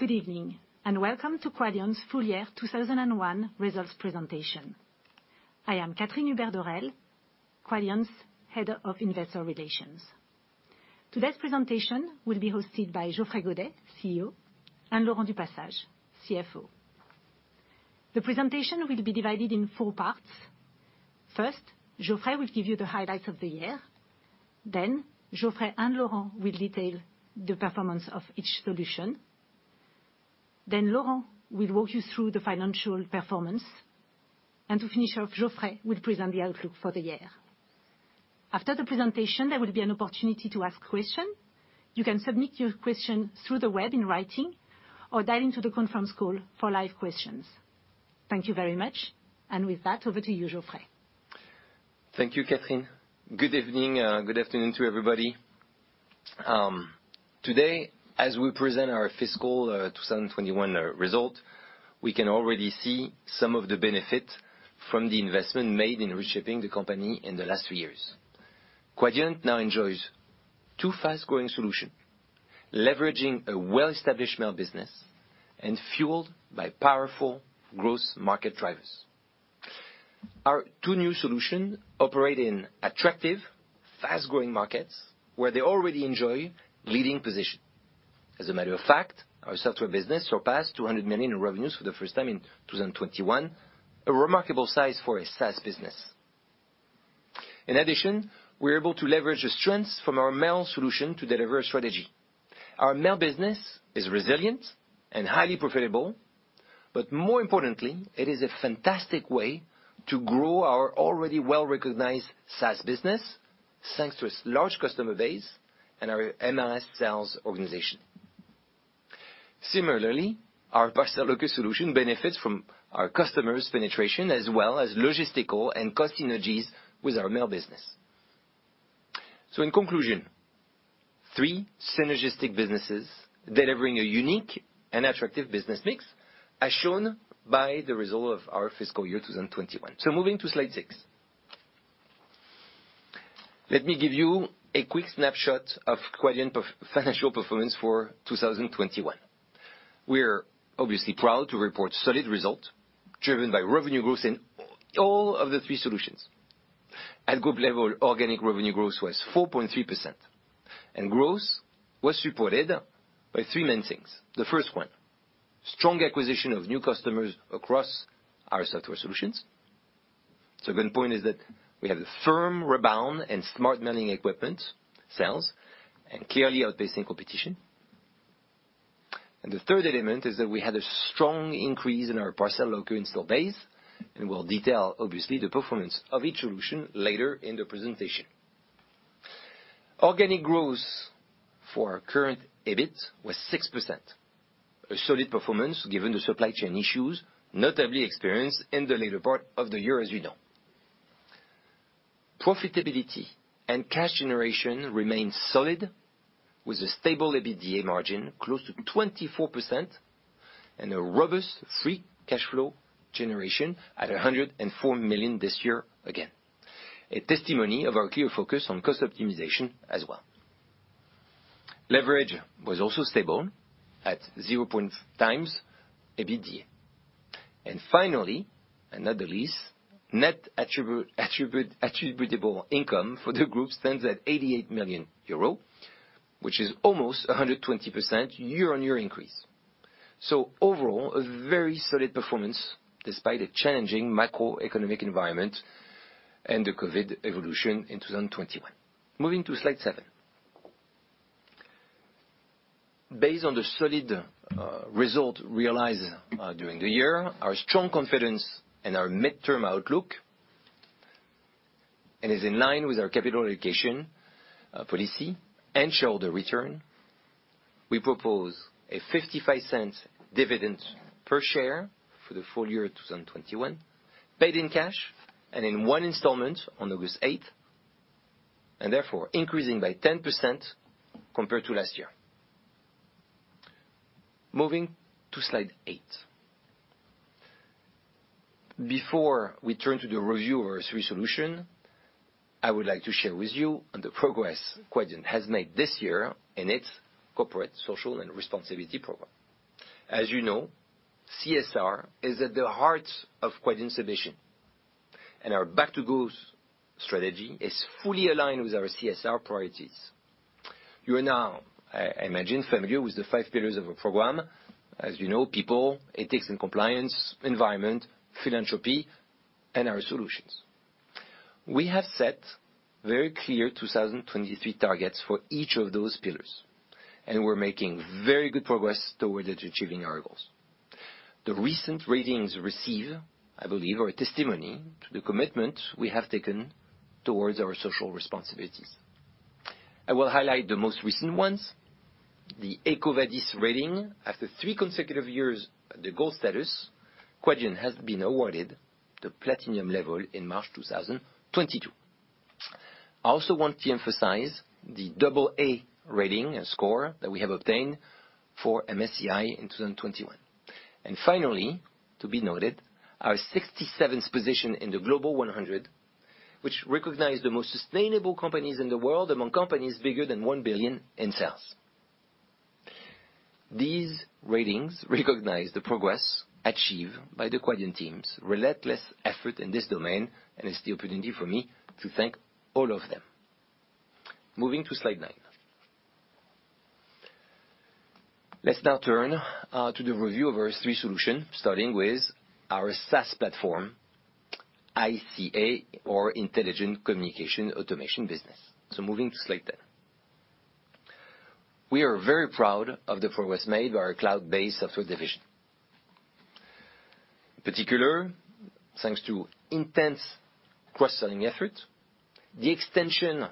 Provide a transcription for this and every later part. Good evening, and welcome to Quadient's full year 2021 results presentation. I am Catherine Hubert-Dorel, Quadient's Head of Investor Relations. Today's presentation will be hosted by Geoffrey Godet, CEO; and Laurent du Passage, CFO. The presentation will be divided in four parts. First, Geoffrey will give you the highlights of the year. Then Geoffrey and Laurent will detail the performance of each solution. Then Laurent will walk you through the financial performance. To finish off, Geoffrey will present the outlook for the year. After the presentation, there will be an opportunity to ask question. You can submit your question through the web in writing or dial into the conference call for live questions. Thank you very much. With that, over to you, Geoffrey. Thank you, Catherine. Good evening, good afternoon to everybody. Today, as we present our fiscal 2021 result, we can already see some of the benefit from the investment made in reshaping the company in the last three years. Quadient now enjoys two fast-growing solutions, leveraging a well-established mail business and fueled by powerful growth market drivers. Our two new solutions operate in attractive, fast-growing markets, where they already enjoy leading position. As a matter of fact, our software business surpassed 200 million in revenues for the first time in 2021, a remarkable size for a SaaS business. In addition, we're able to leverage the strengths from our mail solutions to deliver a strategy. Our mail business is resilient and highly profitable, but more importantly, it is a fantastic way to grow our already well-recognized SaaS business, thanks to its large customer base and our MRS sales organization. Similarly, our parcel locker solution benefits from our customers' penetration as well as logistical and cost synergies with our mail business.In conclusion, three synergistic businesses delivering a unique and attractive business mix, as shown by the result of our fiscal year 2021. Moving to slide six. Let me give you a quick snapshot of Quadient financial performance for 2021. We're obviously proud to report solid result, driven by revenue growth in all of the three solutions. At group level, organic revenue growth was 4.3%, and growth was supported by three main things. The first one, strong acquisition of new customers across our software solutions. Second point is that we have a firm rebound in smart mailing equipment sales, and clearly outpacing competition. The third element is that we had a strong increase in our parcel locker install base, and we'll detail, obviously, the performance of each solution later in the presentation. Organic growth for our recurrent EBIT was 6%, a solid performance given the supply chain issues, notably experienced in the later part of the year as we know. Profitability and cash generation remained solid, with a stable EBITDA margin close to 24% and a robust free cash flow generation at 104 million this year again. A testimony of our clear focus on cost optimization as well. Leverage was also stable at 0.1x EBITDA. Finally, and not the least, net attributable income for the group stands at 88 million euros, which is almost a 120% year-on-year increase. Overall, a very solid performance despite a challenging macroeconomic environment and the COVID-19 evolution in 2021. Moving to slide seven. Based on the solid result realized during the year, our strong confidence in our mid-term outlook and is in line with our capital allocation policy and shareholder return. We propose a 0.55 dividend per share for the full year 2021, paid in cash and in one installment on August 8, and therefore increasing by 10% compared to last year. Moving to slide eight. Before we turn to the review of our three solutions, I would like to share with you on the progress Quadient has made this year in its corporate social responsibility program. As you know, CSR is at the heart of Quadient's ambition, and our Back to Growth strategy is fully aligned with our CSR priorities. You are now, I imagine, familiar with the five pillars of our program. As you know, people, ethics and compliance, environment, philanthropy, and our solutions. We have set very clear 2023 targets for each of those pillars, and we're making very good progress towards achieving our goals. The recent ratings received, I believe, are a testimony to the commitment we have taken towards our social responsibilities. I will highlight the most recent ones. The EcoVadis rating. After three consecutive years at the gold status, Quadient has been awarded the platinum level in March 2022. I also want to emphasize the AA rating and score that we have obtained for MSCI in 2021. Finally, to be noted, our 67th position in the Global 100, which recognizes the most sustainable companies in the world among companies bigger than one billion in sales. These ratings recognize the progress achieved by the Quadient teams' relentless effort in this domain, and it's the opportunity for me to thank all of them. Moving to slide nine. Let's now turn to the review of our three solutions, starting with our SaaS platform, ICA, or Intelligent Communication Automation business. Moving to slide 10. We are very proud of the progress made by our cloud-based software division. In particular, thanks to intense cross-selling effort, the extension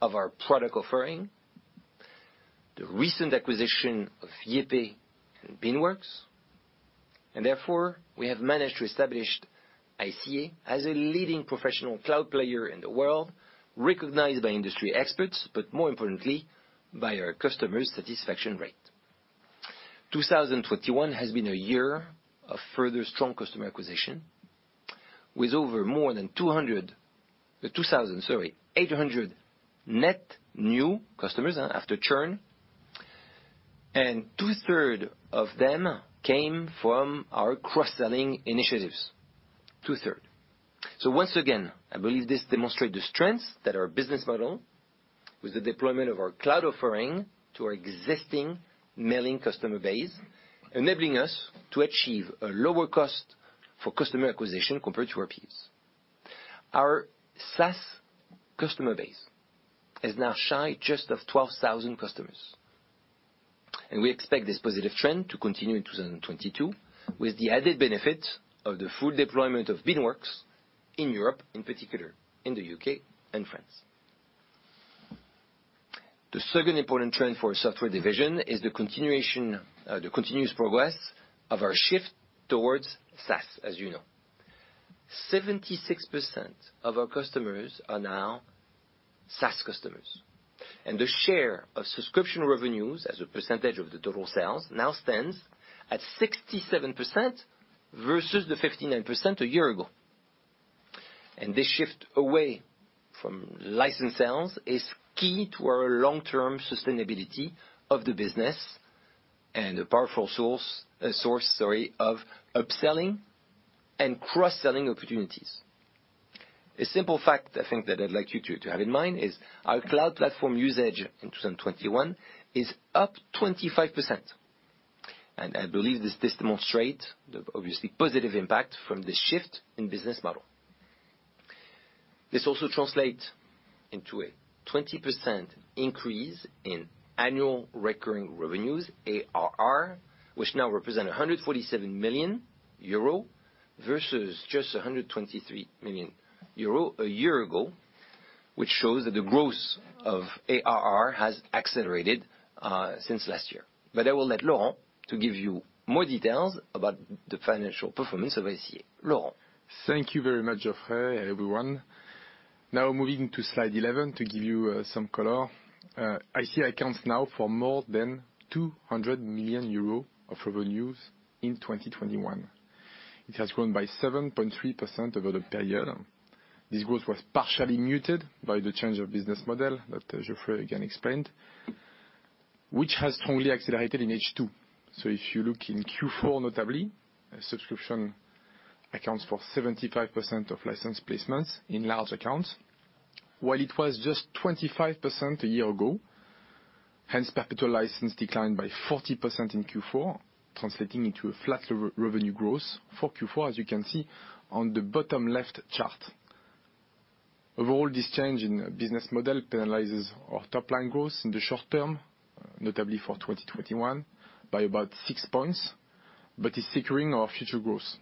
of our product offering, the recent acquisition of YayPay and Beanworks. Therefore, we have managed to establish ICA as a leading professional cloud player in the world, recognized by industry experts, but more importantly, by our customer satisfaction rate. 2021 has been a year of further strong customer acquisition with more than 800 net new customers after churn, and 2/3 of them came from our cross-selling initiatives. Once again, I believe this demonstrate the strength that our business model with the deployment of our cloud offering to our existing mailing customer base, enabling us to achieve a lower cost for customer acquisition compared to our peers. Our SaaS customer base is now just shy of 12,000 customers. We expect this positive trend to continue in 2022 with the added benefit of the full deployment of Beanworks in Europe, in particular in the U.K. and France. The second important trend for our software division is the continuation, the continuous progress of our shift towards SaaS, as you know. 76% of our customers are now SaaS customers, and the share of subscription revenues as a percentage of the total sales now stands at 67% versus the 59% a year ago. This shift away from license sales is key to our long-term sustainability of the business and a powerful source, sorry, of upselling and cross-selling opportunities. A simple fact, I think, that I'd like you to have in mind is our cloud platform usage in 2021 is up 25%. I believe this demonstrate the obviously positive impact from this shift in business model. This also translate into a 20% increase in annual recurring revenues, ARR, which now represent 147 million euro, versus just 123 million euro a year ago, which shows that the growth of ARR has accelerated since last year. I will let Laurent give you more details about the financial performance of ICA. Laurent. Thank you very much, Geoffrey, everyone. Now moving to slide 11 to give you some color. ICA now accounts for more than 200 million euros of revenues in 2021. It has grown by 7.3% over the period. This growth was partially muted by the change of business model that Geoffrey again explained, which has strongly accelerated in H2. If you look in Q4 notably, subscription accounts for 75% of license placements in large accounts, while it was just 25% a year ago, hence perpetual license declined by 40% in Q4, translating into a flat level revenue growth for Q4, as you can see on the bottom left chart. Overall, this change in business model penalizes our top line growth in the short term, notably for 2021 by about six points, but is securing our future growth.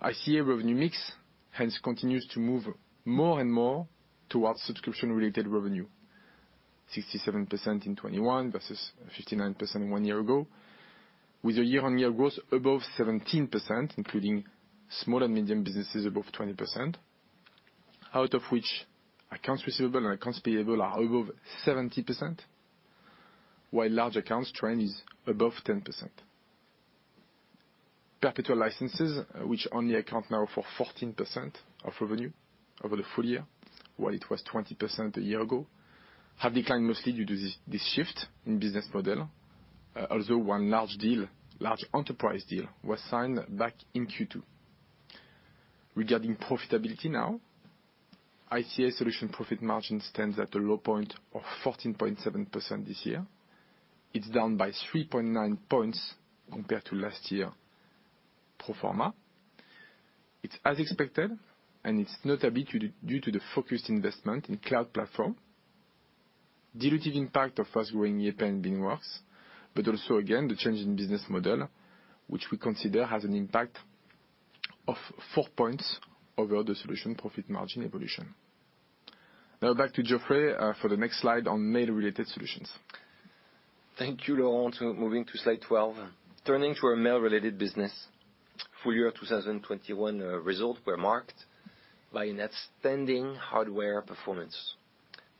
ICA revenue mix hence continues to move more and more towards subscription-related revenue. 67% in 2021 versus 59% one year ago, with a year-on-year growth above 17%, including small and medium businesses above 20%, out of which accounts receivable and accounts payable are above 70%, while large accounts trend is above 10%. Perpetual licenses, which only account now for 14% of revenue over the full year, while it was 20% a year ago, have declined mostly due to this shift in business model. Although one large deal, large enterprise deal was signed back in Q2. Regarding profitability now, ICA solution profit margin stands at a low point of 14.7% this year. It's down by 3.9 points compared to last year pro forma. It's as expected, and it's notably due to the focused investment in cloud platform, dilutive impact of fast-growing YayPay and Beanworks, but also again, the change in business model, which we consider has an impact of four points over the solution profit margin evolution. Now back to Geoffrey for the next slide on Mail-Related Solutions. Thank you, Laurent. Moving to slide 12. Turning to our mail-related business. Full year 2021 results were marked by an outstanding hardware performance.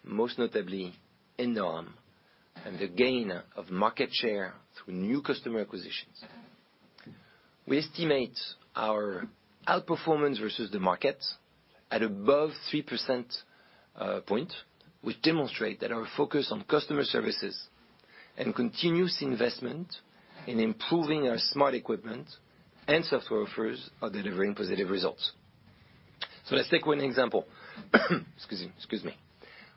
Most notably in North America and the gain of market share through new customer acquisitions. We estimate our outperformance versus the market at above three percentage points, which demonstrate that our focus on customer services and continuous investment in improving our smart equipment and software offerings are delivering positive results. Let's take one example. Excuse me.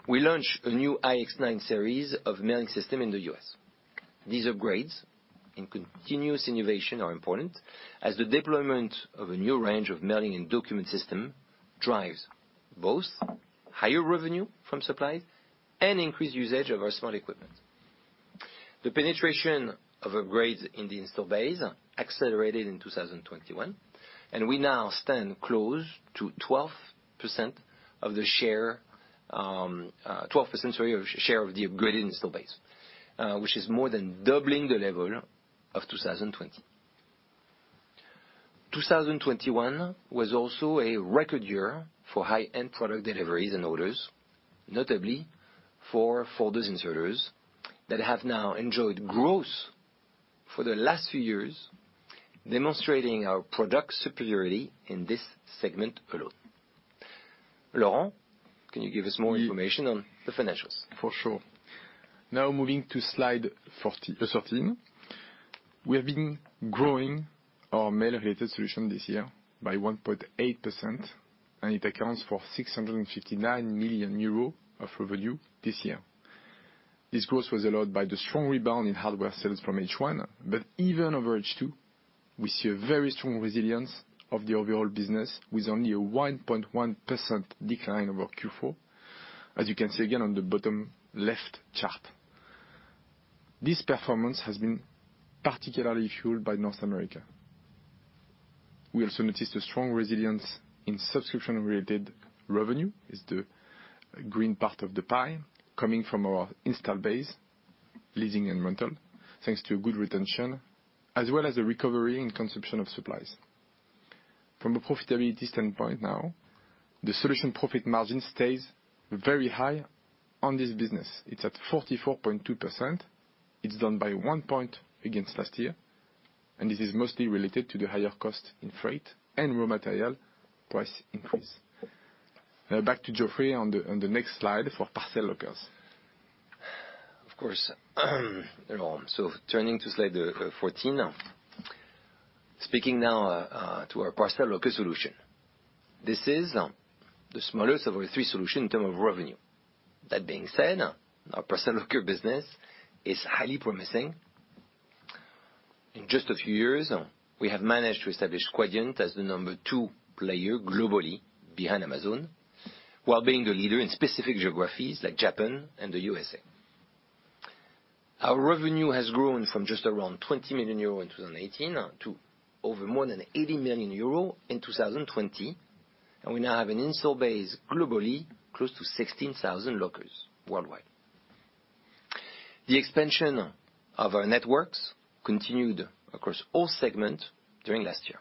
We launched a new iX-9 series of mailing system in the U.S. These upgrades and continuous innovation are important as the deployment of a new range of mailing and document system drives both higher revenue from supplies and increased usage of our smart equipment. The penetration of upgrades in the install base accelerated in 2021, and we now stand close to 12% of the share of the upgraded install base, which is more than doubling the level of 2020. 2021 was also a record year for high-end product deliveries and orders, notably for folder inserters that have now enjoyed growth for the last few years, demonstrating our product superiority in this segment alone. Laurent, can you give us more information? Yes. On the financials? For sure. Now moving to slide 13. We have been growing our mail related solution this year by 1.8%, and it accounts for 659 million euros of revenue this year. This growth was allowed by the strong rebound in hardware sales from H1, but even over H2 we see a very strong resilience of the overall business with only a 1.1% decline over Q4. As you can see again on the bottom left chart. This performance has been particularly fueled by North America. We also noticed a strong resilience in subscription-related revenue, is the green part of the pie, coming from our install base, leasing and rental, thanks to good retention, as well as a recovery in consumption of supplies. From a profitability standpoint now, the solution profit margin stays very high on this business. It's at 44.2%. It's down by one point against last year, and this is mostly related to the higher cost in freight and raw material price increase. Back to Geoffrey on the next slide for parcel lockers. Of course. Laurent. Turning to slide 14. Speaking now to our parcel locker solution. This is the smallest of our three solutions in terms of revenue. That being said, our parcel locker business is highly promising. In just a few years, we have managed to establish Quadient as the number two player globally behind Amazon, while being the leader in specific geographies like Japan and the USA. Our revenue has grown from just around 20 million euro in 2018 to more than 80 million euro in 2020, and we now have an installed base globally close to 16,000 lockers worldwide. The expansion of our networks continued across all segments during last year.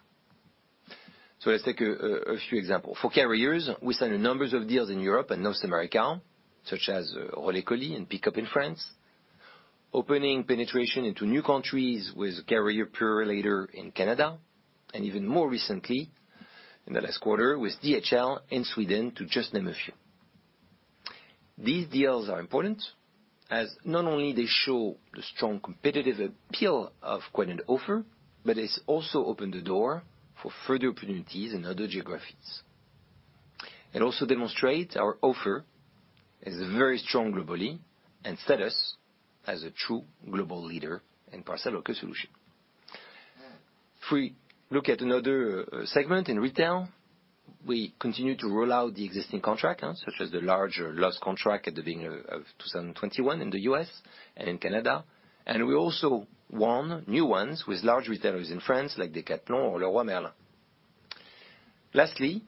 Let's take a few examples. For carriers, we signed a number of deals in Europe and North America, such as Relais Colis and Pickup in France, opening penetration into new countries with Purolator later in Canada, and even more recently in the last quarter with DHL in Sweden, to just name a few. These deals are important as not only they show the strong competitive appeal of Quadient offer, but it's also opened the door for further opportunities in other geographies, and also demonstrate our offer is very strong globally and set us as a true global leader in parcel locker solution. If we look at another segment in retail, we continue to roll out the existing contract, such as the larger Lowe's contract at the beginning of 2021 in the U.S. and in Canada, and we also won new ones with large retailers in France like Decathlon or Leroy Merlin. Lastly,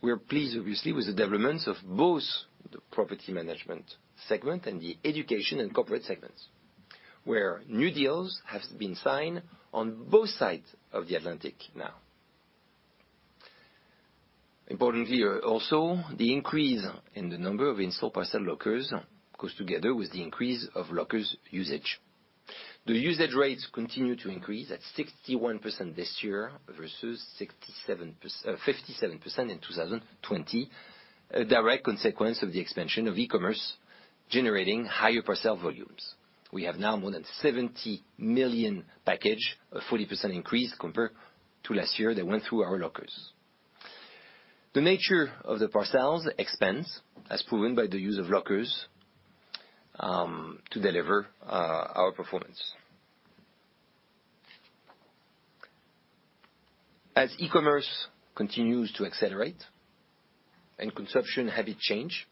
we are pleased obviously with the developments of both the property management segment and the education and corporate segments, where new deals have been signed on both sides of the Atlantic now. Importantly also, the increase in the number of installed parcel lockers goes together with the increase of lockers usage. The usage rates continue to increase at 61% this year versus 57% in 2020. A direct consequence of the expansion of e-commerce generating higher parcel volumes. We have now more than 70 million packages, a 40% increase compared to last year that went through our lockers. The nature of the parcels expands as proven by the use of lockers to deliver our performance. As e-commerce continues to accelerate and consumption habits change,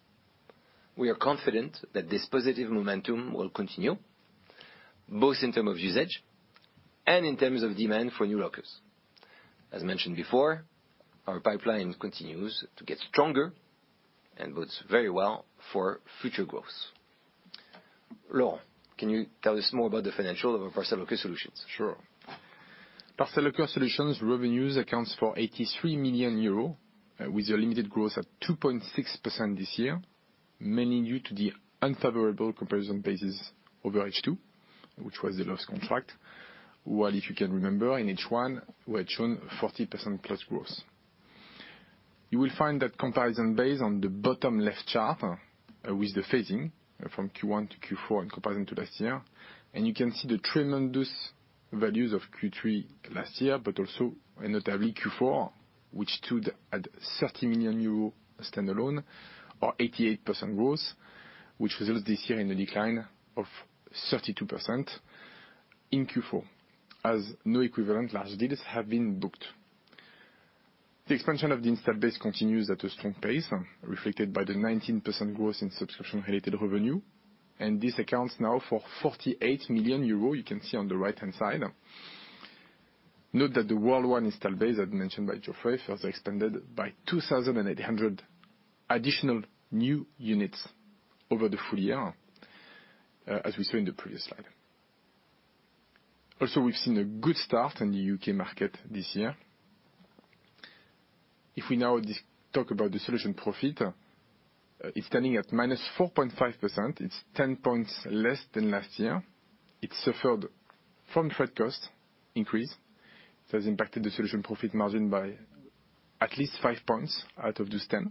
we are confident that this positive momentum will continue both in terms of usage and in terms of demand for new lockers. As mentioned before, our pipeline continues to get stronger and bodes very well for future growth. Laurent, can you tell us more about the financials of our parcel locker solutions? Sure. Parcel locker solutions revenues accounts for 83 million euros, with a limited growth of 2.6% this year, mainly due to the unfavorable comparison basis over H2, which was the last contract. While if you can remember, in H1, we had shown 40%+ growth. You will find that comparison basis on the bottom left chart with the phasing from Q1 to Q4 in comparison to last year. You can see the tremendous volumes of Q3 last year, but also, notably, Q4, which stood at 30 million euros standalone, or 88% growth, which results this year in a decline of 32% in Q4, as no equivalent large deals have been booked. The expansion of the installed base continues at a strong pace, reflected by the 19% growth in subscription-related revenue. This accounts now for 48 million euros, you can see on the right-hand side. Note that the worldwide install base, as mentioned by Geoffrey, was extended by 2,800 additional new units over the full year, as we saw in the previous slide. We've seen a good start in the U.K. market this year. If we now discuss the solution profit, it's standing at -4.5%. It's 10 points less than last year. It suffered from freight cost increase, which has impacted the solution profit margin by at least five points out of those 10.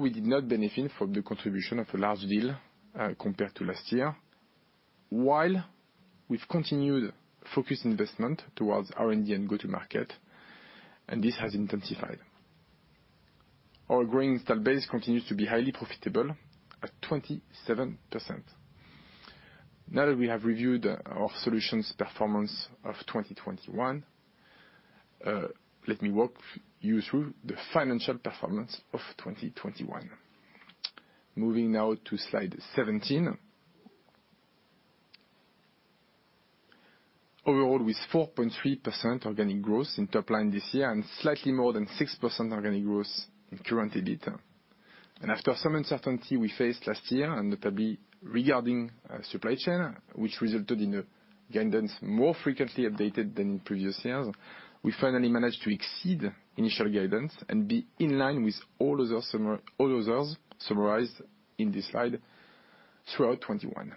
We did not benefit from the contribution of a large deal, compared to last year. While we've continued to focus investment towards R&D and go-to-market, and this has intensified. Our growing install base continues to be highly profitable at 27%. Now that we have reviewed our solutions performance of 2021, let me walk you through the financial performance of 2021. Moving now to slide 17. Overall, with 4.3% organic growth in top line this year and slightly more than 6% organic growth in current EBIT. After some uncertainty we faced last year, and notably regarding supply chain, which resulted in a guidance more frequently updated than in previous years, we finally managed to exceed initial guidance and be in line with all others summarized in this slide throughout 2021.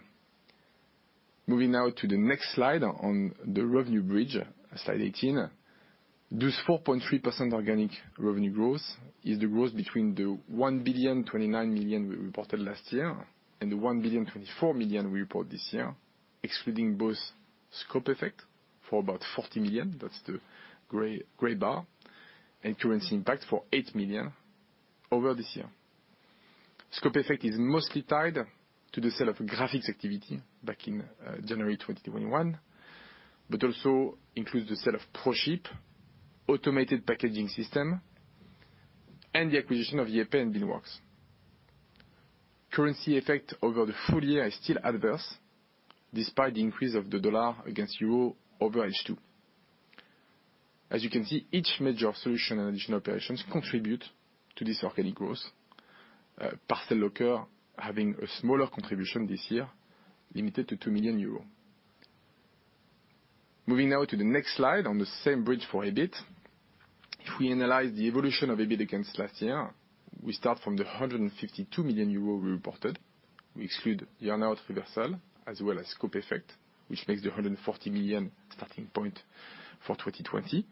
Moving now to the next slide on the revenue bridge, slide 18. This 4.3% organic revenue growth is the growth between the 1,029 million we reported last year and the 1,024 million we report this year, excluding both scope effect for about 40 million, that's the gray bar, and currency impact for 8 million over this year. Scope effect is mostly tied to the sale of graphics activity back in January 2021, but also includes the sale of ProShip, automated packaging system, and the acquisition of YayPay and Beanworks. Currency effect over the full year is still adverse despite the increase of the dollar against euro over H2. As you can see, each major solution and additional operations contribute to this organic growth. Parcel locker having a smaller contribution this year, limited to 2 million euros. Moving now to the next slide on the same bridge for EBIT. If we analyze the evolution of EBIT against last year, we start from the 152 million euros we reported. We exclude the earnout reversal as well as scope effect, which makes the 140 million starting point for 2020.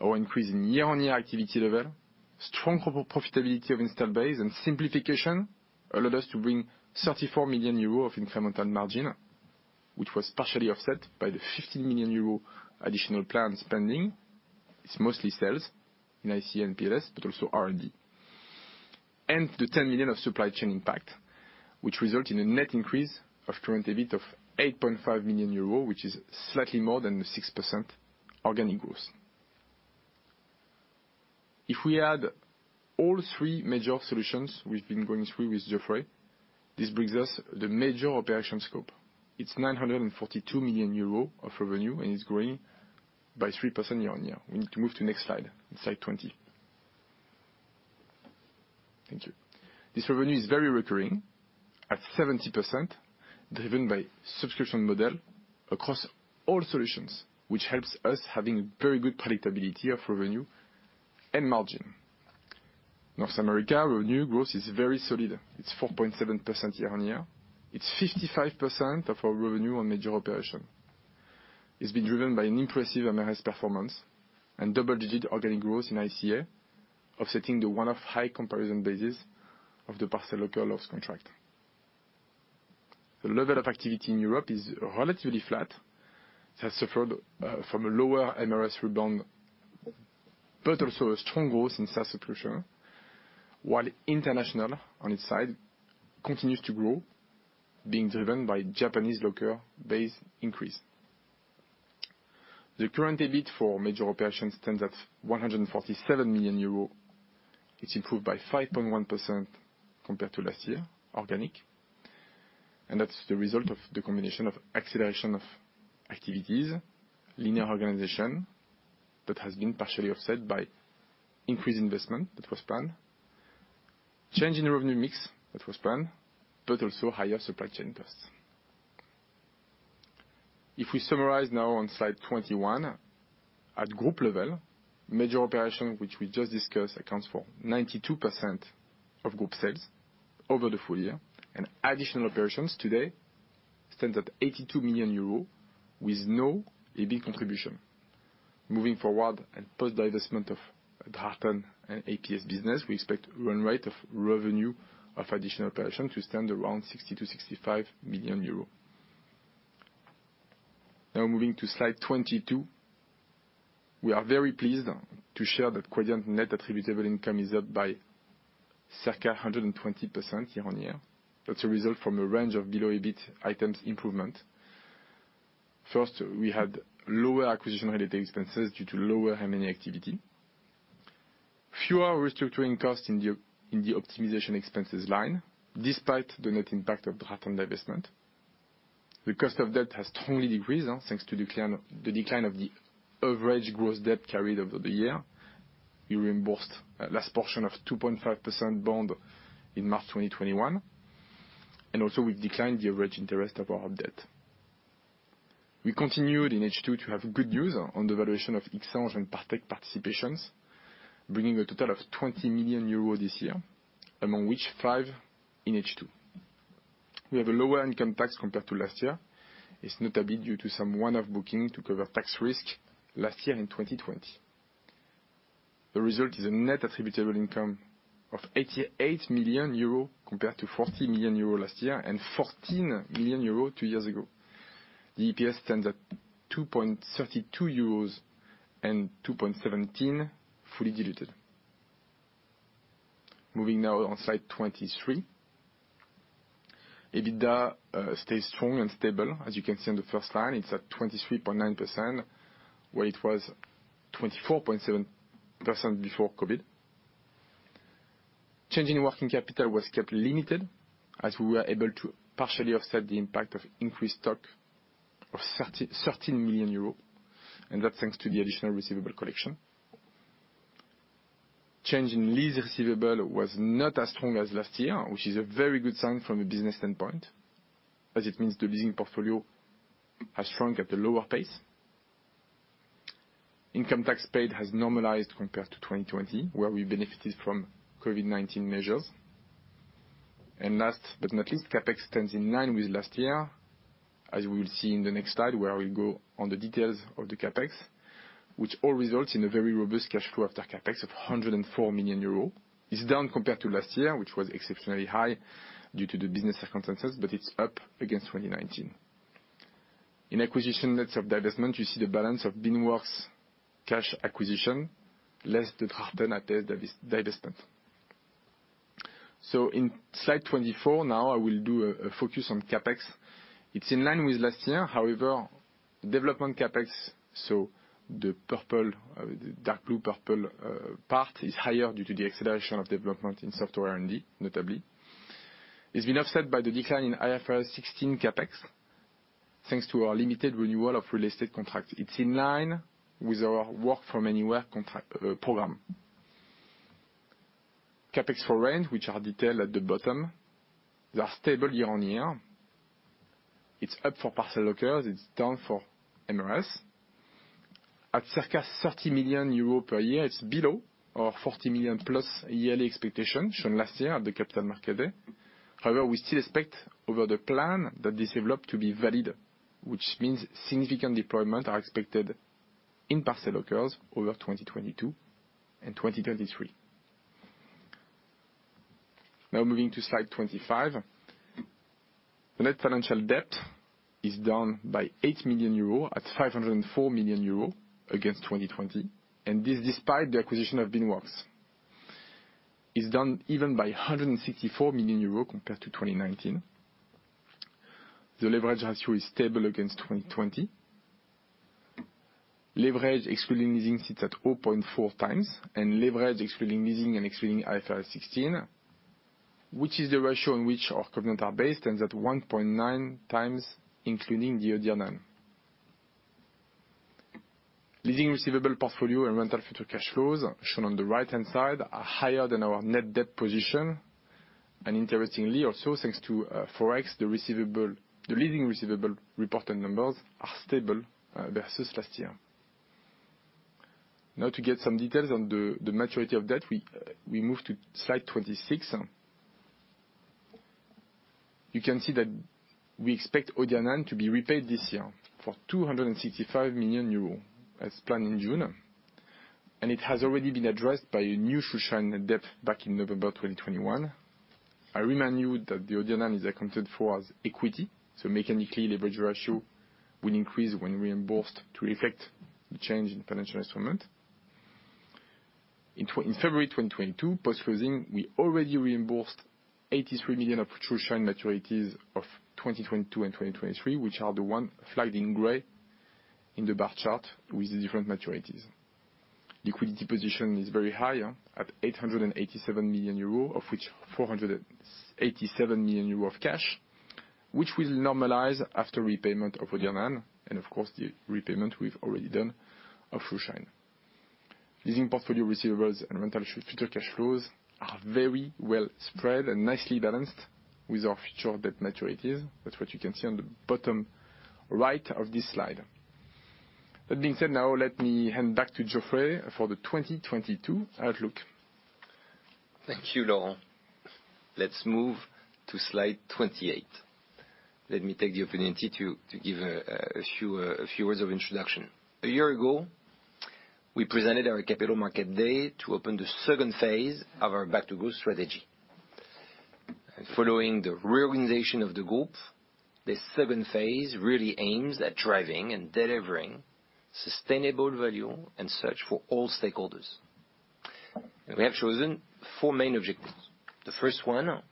Our increase in year-on-year activity level, strong corporate profitability of installed base, and simplification allowed us to bring 34 million euro of incremental margin, which was partially offset by the 15 million euro additional plan spending. It's mostly sales in ICA and PLS, but also R&D. The ten million of supply chain impact, which result in a net increase of current EBIT of 8.5 million euros, which is slightly more than the 6% organic growth. If we add all three major solutions we've been going through with Geoffrey, this brings us the major operation scope. It's 942 million euros of revenue, and it's growing by 3% year-on-year. We need to move to next slide 20. Thank you. This revenue is very recurring at 70%, driven by subscription model across all solutions, which helps us having very good predictability of revenue and margin. North America revenue growth is very solid. It's 4.7% year-on-year. It's 55% of our revenue on major operation. It's been driven by an impressive MRS performance and double-digit organic growth in ICA, offsetting the one-off high comparison basis of the parcel locker loss contract. The level of activity in Europe is relatively flat. It has suffered from a lower MRS rebound, but also a strong growth in SaaS solution, while international, on its side, continues to grow, being driven by Japanese locker base increase. The current EBIT for major operations stands at 147 million euros. It's improved by 5.1% compared to last year organically. That's the result of the combination of acceleration of activities, leaner organization that has been partially offset by increased investment that was planned, change in revenue mix that was planned, but also higher supply chain costs. If we summarize now on slide 21, at group level, major operation, which we just discussed, accounts for 92% of group sales over the full year. Additional operations today stands at 82 million euros with no EBITDA contribution. Moving forward, post-divestment of Drachten and APS business, we expect run rate of revenue of additional operations to stand around 60 million-65 million euro. Now moving to slide 22. We are very pleased to share that Quadient net attributable income is up by circa 120% year-on-year. That's a result from a range of below EBIT items improvement. First, we had lower acquisition-related expenses due to lower M&A activity. Fewer restructuring costs in the optimization expenses line, despite the net impact of Drachten divestment. The cost of debt has totally decreased, thanks to the decline of the average gross debt carried over the year. We reimbursed last portion of 2.5% bond in March 2021, and also we've declined the average interest of our debt. We continued in H2 to have gain on the valuation of XAnge and Partech participations, bringing a total of 20 million euros this year, among which 5 million in H2. We have a lower income tax compared to last year. It's notably due to some one-off booking to cover tax risk last year in 2020. The result is a net attributable income of 88 million euro compared to 40 million euro last year and 14 million euro two years ago. The EPS stands at 2.32 euros and 2.17 fully diluted. Moving now on slide 23. EBITDA stays strong and stable. As you can see on the first line, it's at 23.9%, where it was 24.7% before COVID. Change in working capital was kept limited, as we were able to partially offset the impact of increased stock of 13 million euros, and that's thanks to the additional receivable collection. Change in lease receivable was not as strong as last year, which is a very good sign from a business standpoint, as it means the leasing portfolio has shrunk at a lower pace. Income tax paid has normalized compared to 2020, where we benefited from COVID-19 measures. Last but not least, CapEx stands in line with last year, as we will see in the next slide, where we go on the details of the CapEx, which all results in a very robust cash flow after CapEx of 104 million euros. It's down compared to last year, which was exceptionally high due to the business circumstances, but it's up against 2019. In acquisition net of divestment, you see the balance of Beanworks cash acquisition less the Drachten divestment. In slide 24, now I will do a focus on CapEx. It's in line with last year. However, development CapEx, so the purple, the dark blue/purple, part, is higher due to the acceleration of development in software R&D notably. It's been offset by the decline in IFRS 16 CapEx, thanks to our limited renewal of real estate contracts. It's in line with our work from anywhere contract, program. CapEx for rent, which are detailed at the bottom, they are stable year-on-year. It's up for parcel lockers, it's down for MRS. At circa 30 million euro per year, it's below our 40+ million yearly expectation shown last year at the Capital Markets Day. However, we still expect over the plan that this development to be valid, which means significant deployment are expected in parcel lockers over 2022 and 2023. Now moving to slide 25. The net financial debt is down by 8 million euros at 504 million euros against 2020, and this despite the acquisition of Beanworks. It's down even by 164 million euros compared to 2019. The leverage ratio is stable against 2020. Leverage excluding leasing sits at 0.4x, and leverage excluding leasing and excluding IFRS 16, which is the ratio in which our covenants are based, ends at 1.9x including the [Audianan]. Leasing receivable portfolio and rental future cash flows shown on the right-hand side are higher than our net debt position. Interestingly also, thanks to ForEx, the leasing receivable reported numbers are stable versus last year. Now to get some details on the maturity of debt, we move to slide 26. You can see that we expect [Audianan] to be repaid this year for 265 million euros as planned in June, and it has already been addressed by a new Schuldschein net debt back in November 2021. I remind you that the OCEANE is accounted for as equity, so mechanically the leverage ratio will increase when reimbursed to reflect the change in financial instrument. In February 2022, post-closing, we already reimbursed 83 million of Schuldschein maturities of 2022 and 2023, which are the ones flagged in gray in the bar chart with the different maturities. Liquidity position is very high, at 887 million euro, of which 487 million euro of cash, which will normalize after repayment of [Audianan] and of course, the repayment we've already done of Schuldschein. Leasing portfolio receivables and rental future cash flows are very well spread and nicely balanced with our future debt maturities. That's what you can see on the bottom right of this slide. That being said, now let me hand back to Geoffrey for the 2022 outlook. Thank you, Laurent. Let's move to slide 28. Let me take the opportunity to give a few words of introduction. A year ago, we presented our Capital Markets Day to open the second phase of our Back to Growth strategy. Following the reorganization of the group, this second phase really aims at driving and delivering sustainable value and search for all stakeholders. We have chosen four main objectives. The first one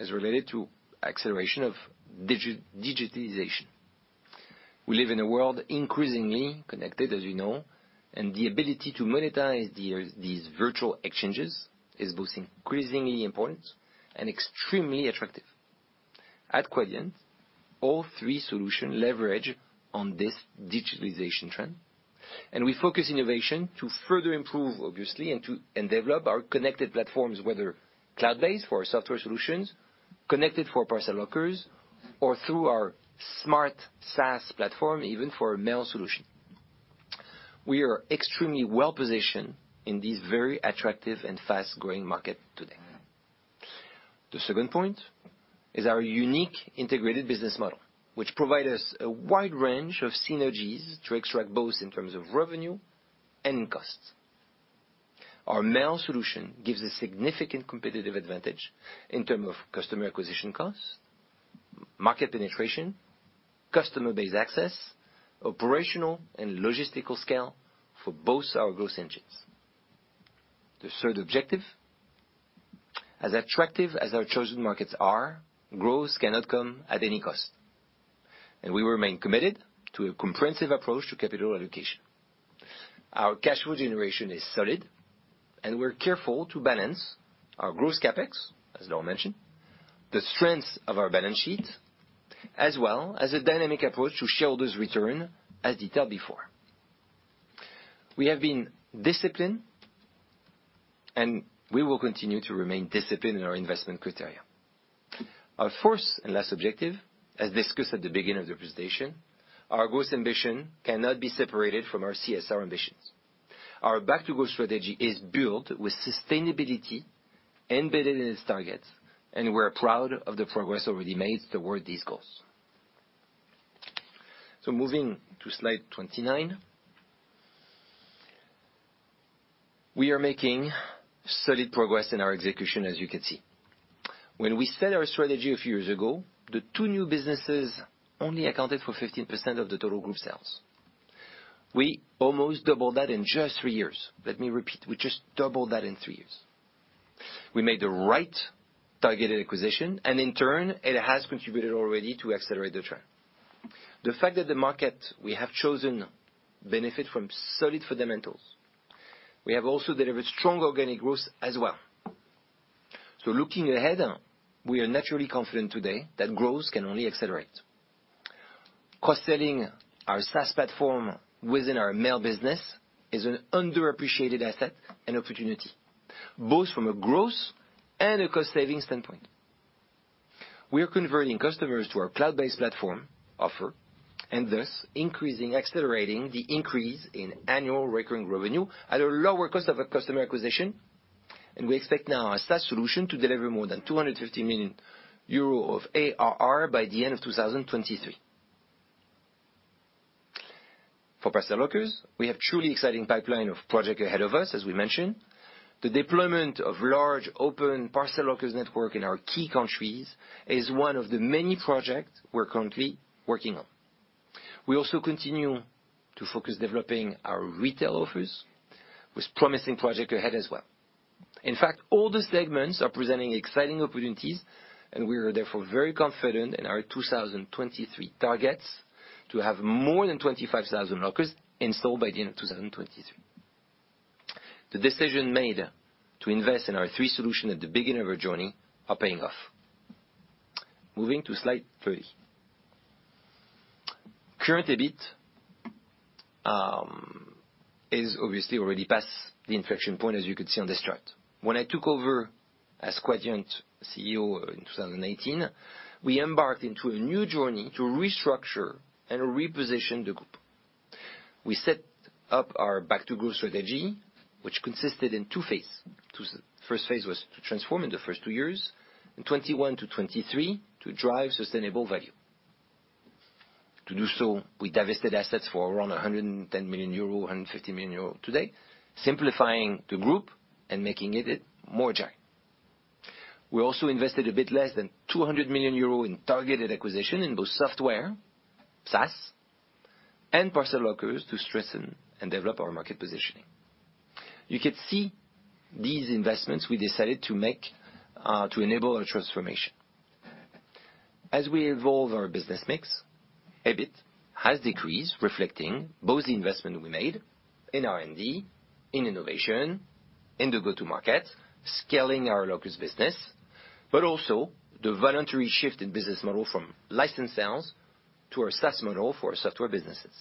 is related to acceleration of digitization. We live in a world increasingly connected, as you know, and the ability to monetize these virtual exchanges is both increasingly important and extremely attractive. At Quadient, all three solutions leverage this digitalization trend, and we focus innovation to further improve, obviously, and to develop our connected platforms, whether cloud-based for our software solutions, connected for parcel lockers, or through our smart SaaS platform, even for a mail solution. We are extremely well-positioned in this very attractive and fast-growing market today. The second point is our unique integrated business model, which provide us a wide range of synergies to extract both in terms of revenue and costs. Our mail solution gives a significant competitive advantage in terms of customer acquisition costs, market penetration, customer-based access, operational and logistical scale for both our growth engines. The third objective, as attractive as our chosen markets are, growth cannot come at any cost, and we remain committed to a comprehensive approach to capital allocation. Our cash flow generation is solid, and we're careful to balance our growth CapEx, as Laurent mentioned, the strength of our balance sheet, as well as a dynamic approach to shareholders' return, as detailed before. We have been disciplined, and we will continue to remain disciplined in our investment criteria. Our fourth and last objective, as discussed at the beginning of the presentation, our growth ambition cannot be separated from our CSR ambitions. Our Back to Growth strategy is built with sustainability embedded in its targets, and we're proud of the progress already made toward these goals. Moving to slide 29. We are making solid progress in our execution, as you can see. When we set our strategy a few years ago, the two new businesses only accounted for 15% of the total group sales. We almost doubled that in just three years. Let me repeat, we just doubled that in three years. We made the right targeted acquisition, and in turn, it has contributed already to accelerate the trend. The fact that the market we have chosen benefit from solid fundamentals. We have also delivered strong organic growth as well. Looking ahead, we are naturally confident today that growth can only accelerate. Cross-selling our SaaS platform within our mail business is an underappreciated asset and opportunity, both from a growth and a cost-saving standpoint. We are converting customers to our cloud-based platform offer and thus increasing, accelerating the increase in annual recurring revenue at a lower cost of a customer acquisition. We expect now our SaaS solution to deliver more than 250 million euro of ARR by the end of 2023. For parcel lockers, we have truly exciting pipeline of projects ahead of us, as we mentioned. The deployment of large open parcel lockers network in our key countries is one of the many projects we're currently working on. We also continue to focus developing our retail offers with promising projects ahead as well. In fact, all the segments are presenting exciting opportunities, and we are therefore very confident in our 2023 targets to have more than 25,000 lockers installed by the end of 2023. The decision made to invest in our three solutions at the beginning of our journey are paying off. Moving to slide 30. Current EBIT is obviously already past the inflection point, as you can see on this chart. When I took over as Quadient CEO in 2018, we embarked into a new journey to restructure and reposition the group. We set up our Back to Growth strategy, which consisted in two phases. First phase was to transform in the first two years, in 2021 to 2023, to drive sustainable value. To do so, we divested assets for around 110 million euros, 150 million euros today, simplifying the group and making it more agile. We also invested a bit less than 200 million euro in targeted acquisitions in both software, SaaS, and parcel lockers to strengthen and develop our market positioning. You can see these investments we decided to make to enable our transformation. As we evolve our business mix, EBIT has decreased, reflecting both the investment we made in R&D, in innovation, in the go-to-market, scaling our lockers business, but also the voluntary shift in business model from licensed sales to our SaaS model for software businesses.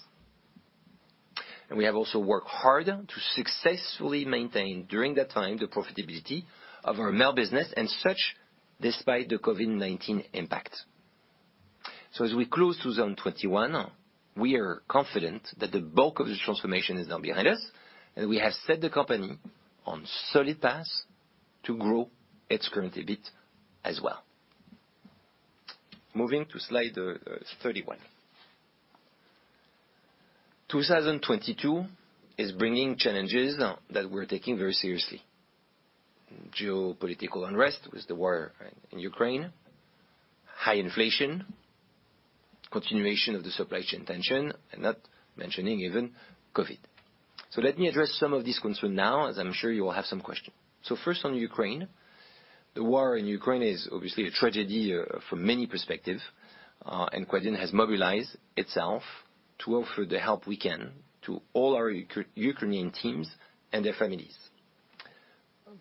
We have also worked hard to successfully maintain, during that time, the profitability of our mail business and such, despite the COVID-19 impact. As we close to 2021, we are confident that the bulk of this transformation is now behind us, and we have set the company on solid path to grow its current EBIT as well. Moving to slide 31. 2022 is bringing challenges that we're taking very seriously. Geopolitical unrest with the war in Ukraine, high inflation, continuation of the supply chain tension, and not mentioning even COVID. Let me address some of these concerns now, as I'm sure you will have some questions. First on Ukraine. The war in Ukraine is obviously a tragedy from many perspectives. Quadient has mobilized itself to offer the help we can to all our Ukrainian teams and their families.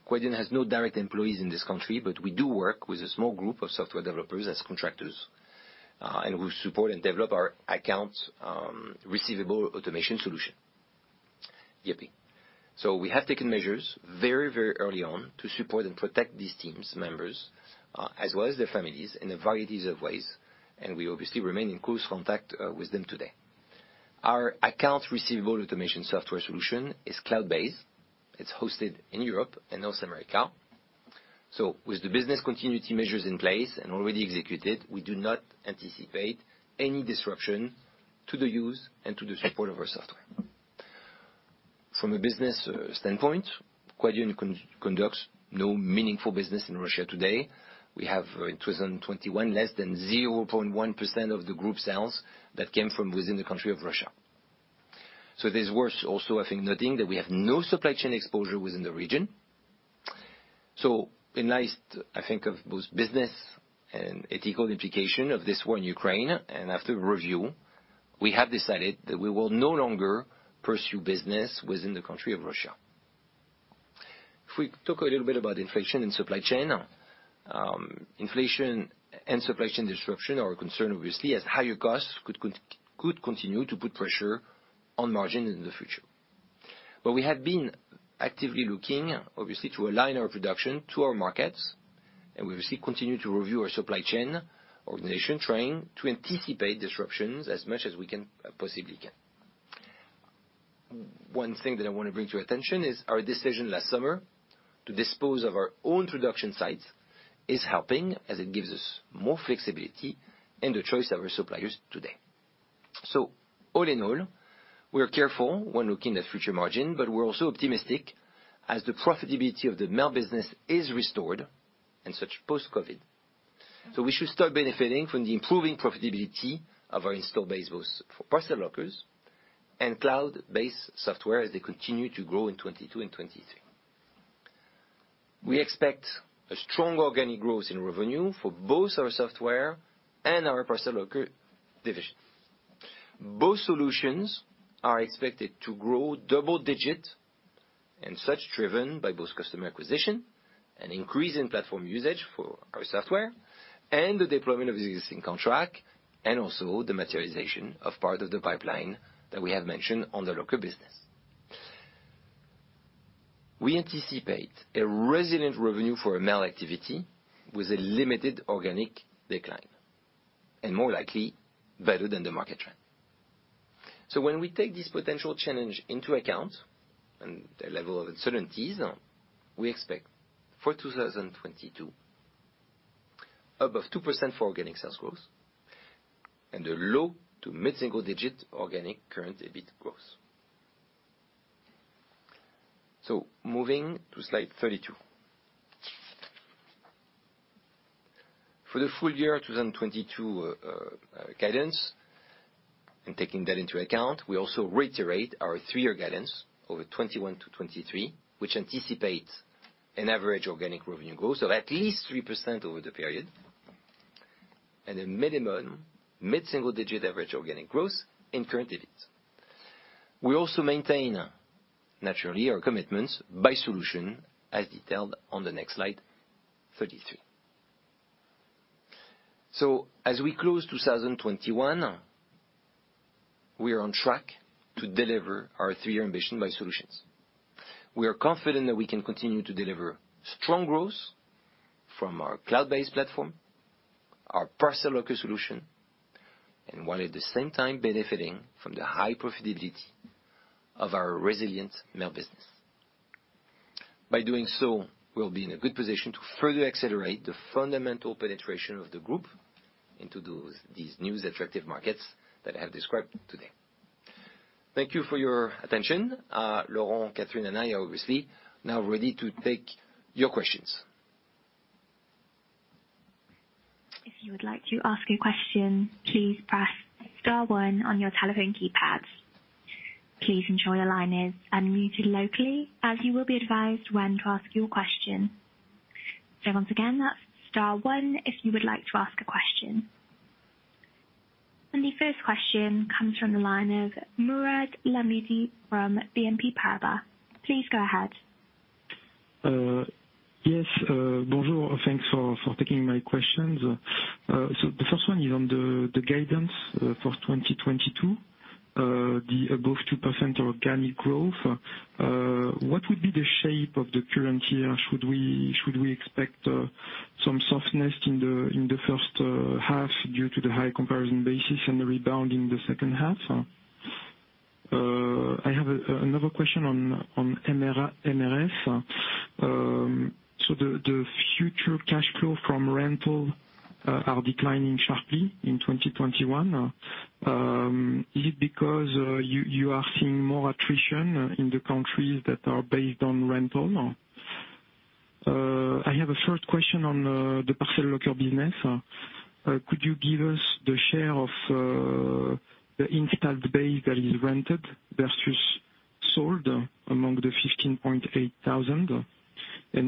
Quadient has no direct employees in this country, but we do work with a small group of software developers as contractors, and who support and develop our accounts receivable automation solution, YayPay. We have taken measures very, very early on to support and protect these team members, as well as their families in a variety of ways, and we obviously remain in close contact with them today. Our accounts receivable automation software solution is cloud-based. It's hosted in Europe and North America. With the business continuity measures in place and already executed, we do not anticipate any disruption to the use and to the support of our software. From a business standpoint, Quadient conducts no meaningful business in Russia today. We have, in 2021, less than 0.1% of the group sales that came from within the country of Russia. It is worth also, I think, noting that we have no supply chain exposure within the region. In light, I think, of both business and ethical implication of this war in Ukraine, and after review, we have decided that we will no longer pursue business within the country of Russia. If we talk a little bit about inflation and supply chain. Inflation and supply chain disruption are a concern obviously, as higher costs could continue to put pressure on margin in the future. We have been actively looking, obviously, to align our production to our markets, and we obviously continue to review our supply chain organization, trying to anticipate disruptions as much as we can. One thing that I wanna bring to your attention is our decision last summer to dispose of our own production sites is helping, as it gives us more flexibility in the choice of our suppliers today. All in all, we are careful when looking at future margin, but we're also optimistic as the profitability of the mail business is restored and such post-COVID. We should start benefiting from the improving profitability of our install base, both for parcel lockers and cloud-based software as they continue to grow in 2022 and 2023. We expect a strong organic growth in revenue for both our software and our parcel locker division. Both solutions are expected to grow double-digit, and as such driven by both customer acquisition and increase in platform usage for our software and the deployment of existing contract, and also the materialization of part of the pipeline that we have mentioned on the locker business. We anticipate a resilient revenue for our mail activity with a limited organic decline, and more likely better than the market trend. When we take this potential challenge into account and the level of uncertainties, we expect for 2022 above 2% for organic sales growth and a low- to mid-single-digit organic current EBIT growth. Moving to slide 32. For the full year 2022 guidance, and taking that into account, we also reiterate our three-year guidance over 2021 to 2023, which anticipates an average organic revenue growth of at least 3% over the period, and a minimum mid-single-digit average organic growth in current EBIT. We also maintain, naturally, our commitments by solution as detailed on the next slide 33. As we close 2021, we are on track to deliver our three-year ambition by solutions. We are confident that we can continue to deliver strong growth from our cloud-based platform, our parcel locker solution, and while at the same time benefiting from the high profitability of our resilient mail business. By doing so, we'll be in a good position to further accelerate the fundamental penetration of the group into these new attractive markets that I have described today. Thank you for your attention. Laurent, Catherine, and I are obviously now ready to take your questions. If you would like to ask a question, please press star one on your telephone keypads. Please ensure your line is unmuted locally as you will be advised when to ask your question. Once again, that's star one if you would like to ask a question. The first question comes from the line of Mourad Lahmidi from BNP Paribas. Please go ahead. Yes. Bonjour. Thanks for taking my questions. The first one is on the guidance for 2022, the above 2% organic growth. What would be the shape of the current year? Should we expect some softness in the first half due to the high comparison basis and the rebound in the second half? I have another question on MRS. The future cash flow from rental are declining sharply in 2021. Is it because you are seeing more attrition in the countries that are based on rental? I have a third question on the parcel locker business. Could you give us the share of the installed base that is rented versus sold among the 15,800?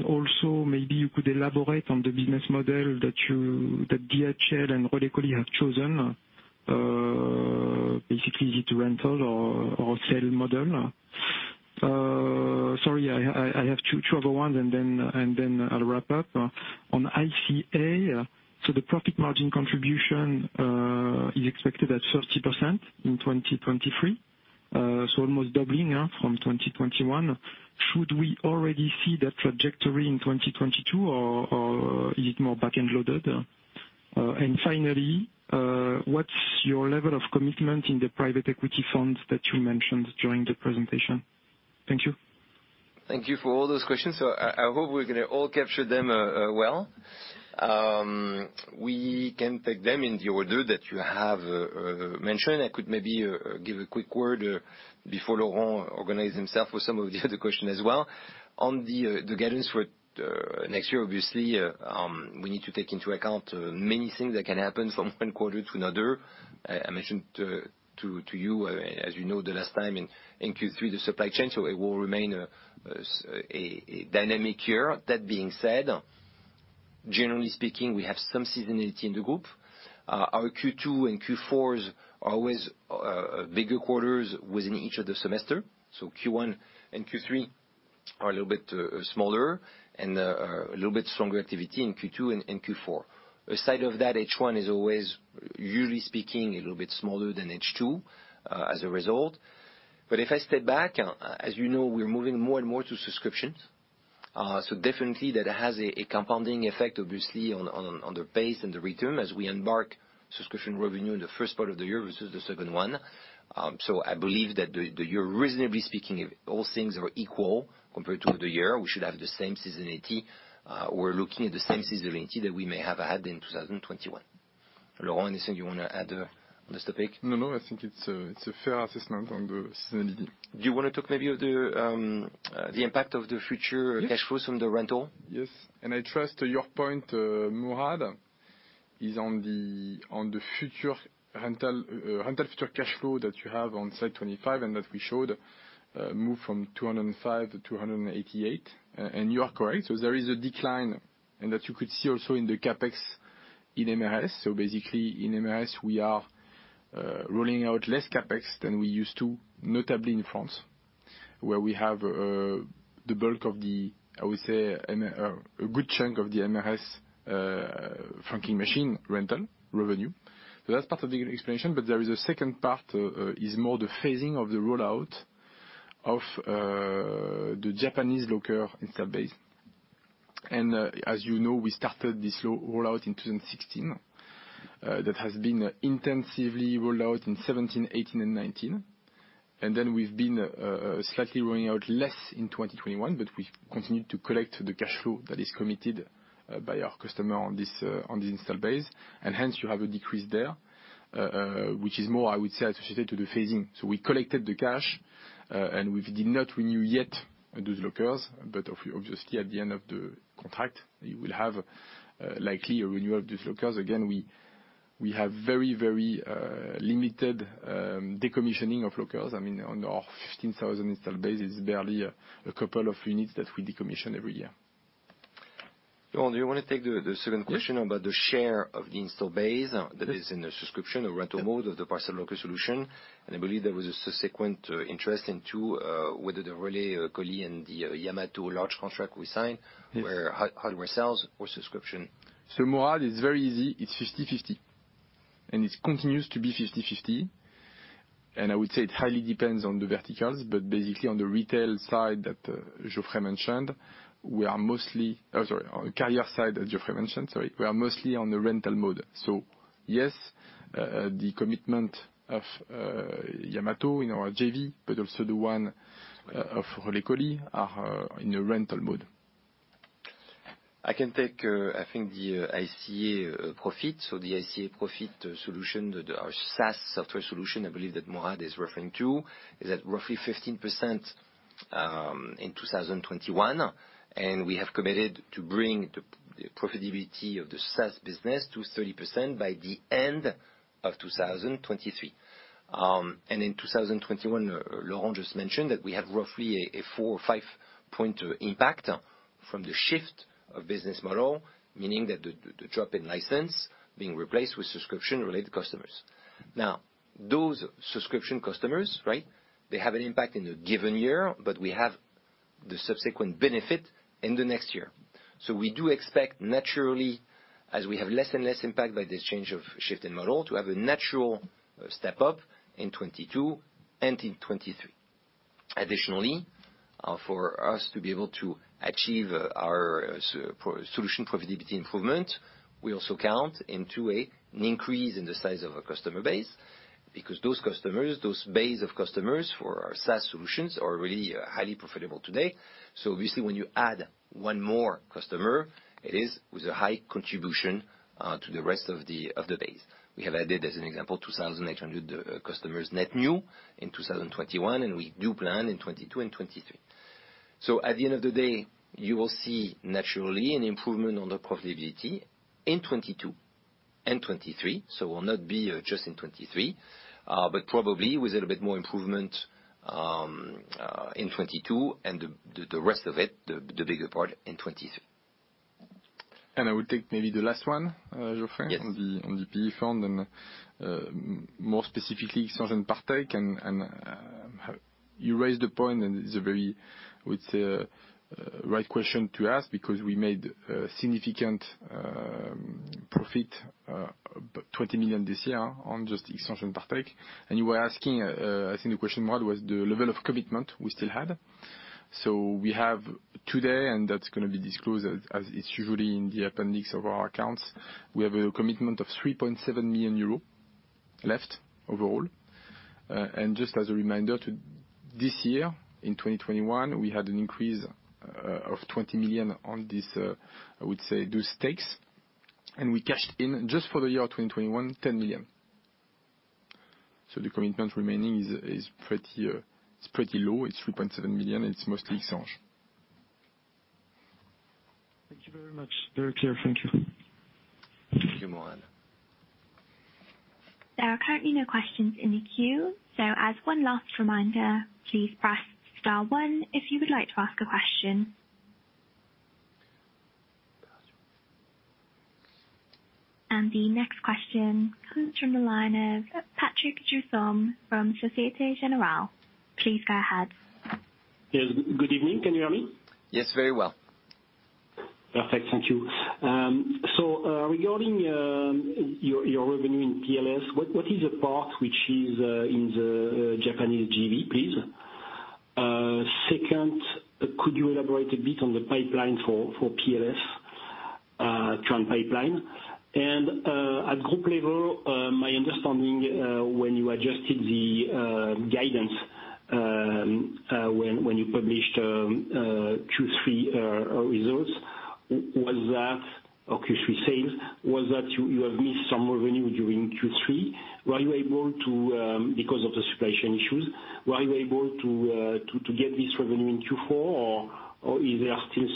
Also maybe you could elaborate on the business model that you and DHL and Relais Colis have chosen. Basically is it rental or sale model? Sorry, I have two other ones and then I'll wrap up. On ICA, the profit margin contribution is expected at 30% in 2023, so almost doubling, yeah, from 2021. Should we already see that trajectory in 2022 or is it more back-end loaded? Finally, what's your level of commitment in the private equity funds that you mentioned during the presentation? Thank you. Thank you for all those questions. I hope we're gonna all capture them. We can take them in the order that you have mentioned. I could maybe give a quick word before Laurent organize himself with some of the other question as well. On the guidance for next year, obviously, we need to take into account many things that can happen from one quarter to another. I mentioned to you, as you know, the last time in Q3, the supply chain. It will remain a dynamic year. That being said, generally speaking, we have some seasonality in the group. Our Q2 and Q4 is always bigger quarters within each of the semester. Q1 and Q3 are a little bit smaller and a little bit stronger activity in Q2 and Q4. Aside of that, H1 is always, usually speaking, a little bit smaller than H2 as a result. If I step back, as you know, we're moving more and more to subscriptions. Definitely that has a compounding effect obviously on the pace and the return as we embark subscription revenue in the first part of the year versus the second one. I believe that the year reasonably speaking, if all things are equal compared to the year, we should have the same seasonality. We're looking at the same seasonality that we may have had in 2021. Laurent, anything you wanna add on this topic? No, no. I think it's a fair assessment on the seasonality. Do you wanna talk maybe of the impact of the future. Yes. Cash flows on the rental? Yes. I trust your point, Mourad, is on the future rental cash flow that you have on slide 25, and that we showed move from 205 to 288. You are correct. There is a decline, and that you could see also in the CapEx in MRS. Basically in MRS, we are rolling out less CapEx than we used to, notably in France, where we have the bulk of the, I would say, a good chunk of the MRS franking machine rental revenue. That's part of the explanation. There is a second part is more the phasing of the rollout of the Japanese locker install base. As you know, we started this slow rollout in 2016. That has been intensively rolled out in 2017, 2018, and 2019. Then we have been slightly rolling out less in 2021, but we have continued to collect the cash flow that is committed by our customer on this installed base. Hence you have a decrease there, which is more, I would say, associated to the phasing. We collected the cash, and we have not renewed yet those lockers. Obviously, at the end of the contract, you will have likely a renewal of these lockers. Again, we have very limited decommissioning of lockers. I mean, on our 15,000 installed base is barely a couple of units that we decommission every year. Laurent, do you wanna take the second question? Yes. About the share of the install base that is in the subscription or rental mode of the parcel locker solution? I believe there was a subsequent interest into whether the Relais Colis and the Yamato large contract we signed- Yes. Were hardware sales or subscription. Mourad, it's very easy. It's 50-50, and it continues to be 50-50. I would say it highly depends on the verticals, but basically on the carrier side, as Geoffrey mentioned, we are mostly on the rental mode. Yes, the commitment of Yamato in our JV, but also the one of Relais Colis are in a rental mode. I can take the ICA product. The ICA product solution, our SaaS software solution I believe that Mourad is referring to, is at roughly 15%. In 2021, we have committed to bring the profitability of the SaaS business to 30% by the end of 2023. In 2021, Laurent just mentioned that we have roughly a four or five-point impact from the shift of business model, meaning that the drop in license being replaced with subscription-related customers. Now, those subscription customers, right? They have an impact in a given year, but we have the subsequent benefit in the next year. We do expect naturally, as we have less and less impact by this change of shift in model, to have a natural step up in 2022 and in 2023. Additionally, for us to be able to achieve our SaaS solution profitability improvement, we also count on an increase in the size of our customer base. Because those customers, that base of customers for our SaaS solutions are really highly profitable today. Obviously, when you add one more customer, it is with a high contribution to the rest of the base. We have added, as an example, 2,800 customers net new in 2021, and we do plan in 2022 and 2023. At the end of the day, you will see naturally an improvement on the profitability in 2022 and 2023, so it will not be just in 2023. But probably with a little bit more improvement in 2022 and the rest of it, the bigger part in 2023. I would take maybe the last one, Geoffrey. Yes. On the PE fund and, more specifically, XAnge and Partech, you raised the point, and it's a very, I would say, right question to ask because we made a significant profit about 20 million this year on just XAnge and Partech. You were asking, I think the question more was the level of commitment we still had. We have today, and that's gonna be disclosed as it's usually in the appendix of our accounts. We have a commitment of 3.7 million euros left overall. Just as a reminder, this year, in 2021, we had an increase of 20 million on this, I would say, those stakes. We cashed in just for the year 2021, 10 million. The commitment remaining is pretty low. It's 3.7 million, and it's mostly XAnge. Thank you very much. Very clear. Thank you. Thank you, Mourad. There are currently no questions in the queue. As one last reminder, please press star one if you would like to ask a question. The next question comes from the line of Patrick Jousseaume from Société Générale. Please go ahead. Yes. Good evening. Can you hear me? Yes, very well. Perfect. Thank you. Regarding your revenue in PLS, what is the part which is in the Japanese JV, please? Second, could you elaborate a bit on the pipeline for PLS, current pipeline? At group level, my understanding when you adjusted the guidance when you published Q3 results or Q3 sales, was that you have missed some revenue during Q3? Were you able to because of the supply chain issues, were you able to get this revenue in Q4, or is there still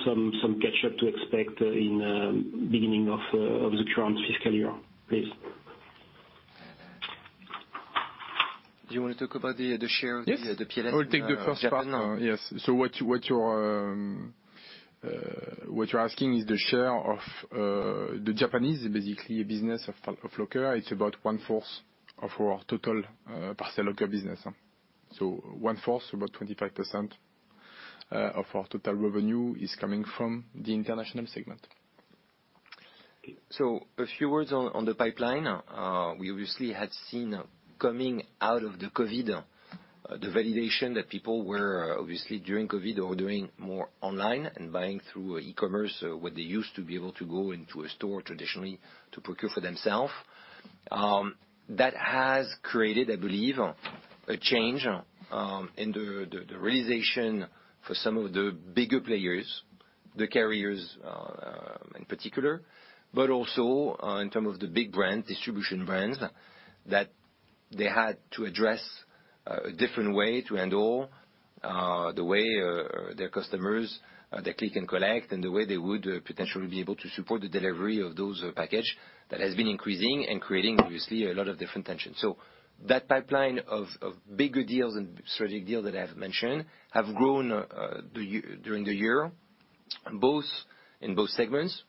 some catch up to expect in beginning of the current fiscal year, please? Do you wanna talk about the share? Yes. The PLS. I will take the first part. Japan? Yes. What you're asking is the share of the Japanese locker business. It's about 1/4 of our total parcel locker business. 1/4, about 25%, of our total revenue is coming from the international segment. A few words on the pipeline. We obviously had seen coming out of the COVID the validation that people were obviously during COVID doing more online and buying through e-commerce what they used to be able to go into a store traditionally to procure for themselves. That has created, I believe, a change in the realization for some of the bigger players, the carriers, in particular. Also, in terms of the big brand distribution brands, that they had to address a different way to handle the way their customers their click and collect, and the way they would potentially be able to support the delivery of those packages that has been increasing and creating, obviously, a lot of different tension. That pipeline of bigger deals and strategic deal that I've mentioned have grown during the year in both segments,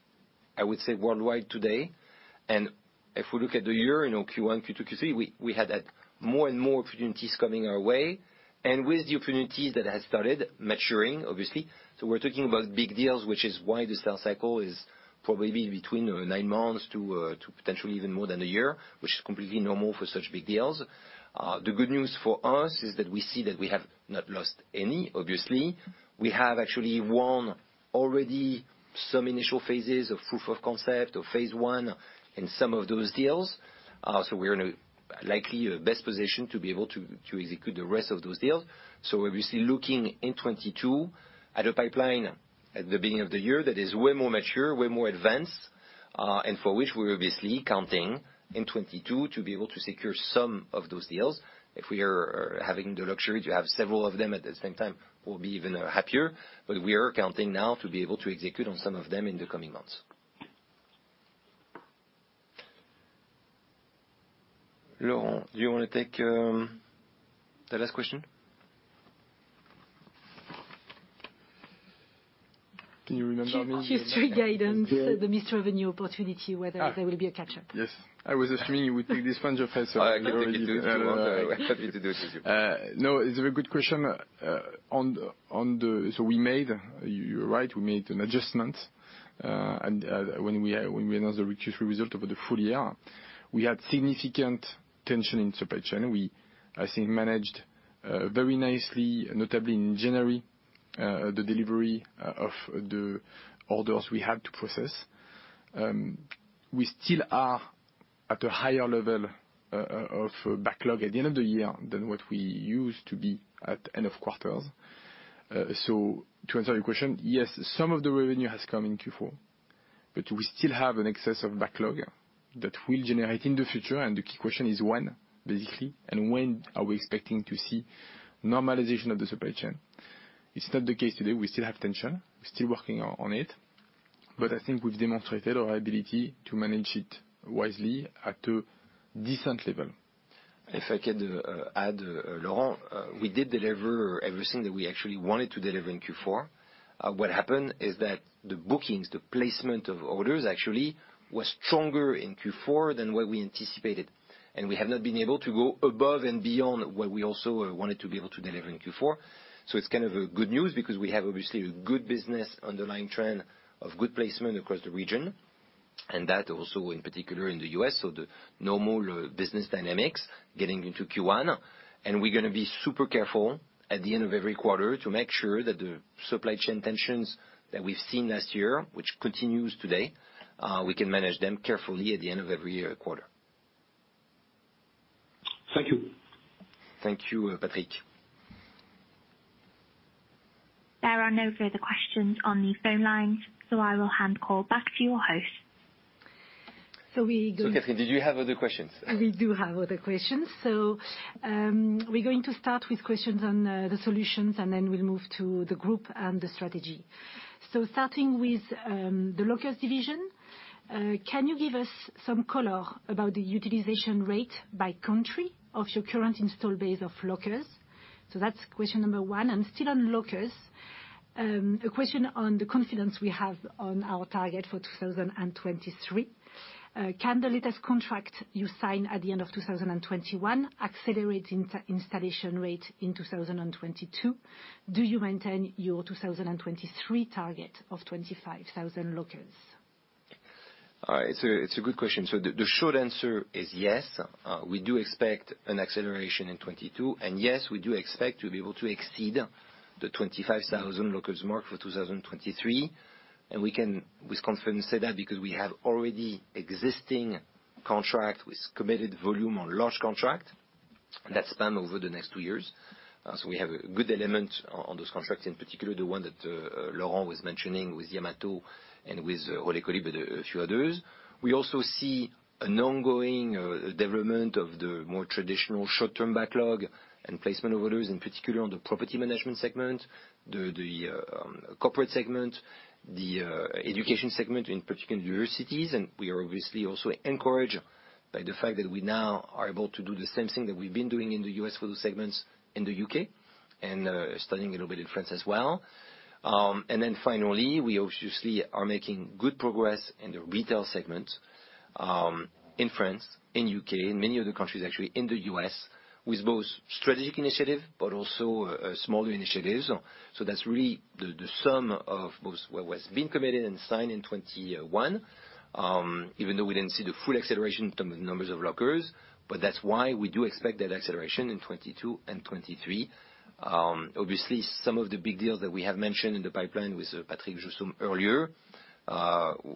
I would say worldwide today. If we look at the year, you know, Q1, Q2, Q3, we had more and more opportunities coming our way. With the opportunities that have started maturing, obviously, so we're talking about big deals which is why the sales cycle is probably between nine months to potentially even more than a year, which is completely normal for such big deals. The good news for us is that we see that we have not lost any, obviously. We have actually won already some initial phases of proof of concept or phase one in some of those deals. We're in a likely the best position to be able to execute the rest of those deals. Obviously looking in 2022 at a pipeline at the beginning of the year that is way more mature, way more advanced, and for which we're obviously counting in 2022 to be able to secure some of those deals. If we are having the luxury to have several of them at the same time, we'll be even happier. We are counting now to be able to execute on some of them in the coming months. Laurent, do you wanna take the last question? Can you remind me of the- Q3 guidance, the mix of a new opportunity, whether there will be a catch-up. Yes. I was assuming you would take this one, Geoffrey, so you can take it. I can take it. It's been too long. I'm happy to do it with you. No, it's a very good question. You're right, we made an adjustment. When we announced the Q3 result over the full year, we had significant tension in supply chain. I think we managed very nicely, notably in January, the delivery of the orders we had to process. We still are at a higher level of backlog at the end of the year than what we used to be at end of quarters. To answer your question, yes, some of the revenue has come in Q4, but we still have an excess of backlog that will generate in the future, and the key question is when, basically, and when are we expecting to see normalization of the supply chain. It's not the case today. We still have tension. We're still working on it. I think we've demonstrated our ability to manage it wisely at a decent level. If I could, add, Laurent, we did deliver everything that we actually wanted to deliver in Q4. What happened is that the bookings, the placement of orders actually was stronger in Q4 than what we anticipated, and we have not been able to go above and beyond what we also wanted to be able to deliver in Q4. It's kind of a good news because we have obviously a good business underlying trend of good placement across the region, and that also in particular in the U.S., so the normal business dynamics getting into Q1. We're gonna be super careful at the end of every quarter to make sure that the supply chain tensions that we've seen last year, which continues today, we can manage them carefully at the end of every year quarter. Thank you. Thank you, Patrick. There are no further questions on the phone lines, so I will hand the call back to your host. So we go- Catherine, did you have other questions? We do have other questions. We're going to start with questions on the solutions, and then we'll move to the group and the strategy. Starting with the lockers division, can you give us some color about the utilization rate by country of your current installed base of lockers? That's question number one. Still on lockers, a question on the confidence we have on our target for 2023. Can the latest contract you sign at the end of 2021 accelerate installation rate in 2022? Do you maintain your 2023 target of 25,000 lockers? All right. It's a good question. The short answer is yes, we do expect an acceleration in 2022, and yes, we do expect to be able to exceed the 25,000 lockers mark for 2023. We can with confidence say that because we have already existing contract with committed volume on large contract that span over the next two years. We have a good element on those contracts, in particular the one that Laurent was mentioning with Yamato and with Relais Colis, with a few others. We also see an ongoing development of the more traditional short-term backlog and placement of orders, in particular on the property management segment, the corporate segment, the education segment, in particular universities. We are obviously also encouraged by the fact that we now are able to do the same thing that we've been doing in the U.S. for those segments in the U.K. and starting a little bit in France as well. Finally, we obviously are making good progress in the retail segment in France, in U.K., in many other countries actually, in the U.S., with both strategic initiative, but also smaller initiatives. That's really the sum of both what has been committed and signed in 2021, even though we didn't see the full acceleration in terms of numbers of lockers, but that's why we do expect that acceleration in 2022 and 2023. Obviously, some of the big deals that we have mentioned in the pipeline with Patrick Jousseaume earlier,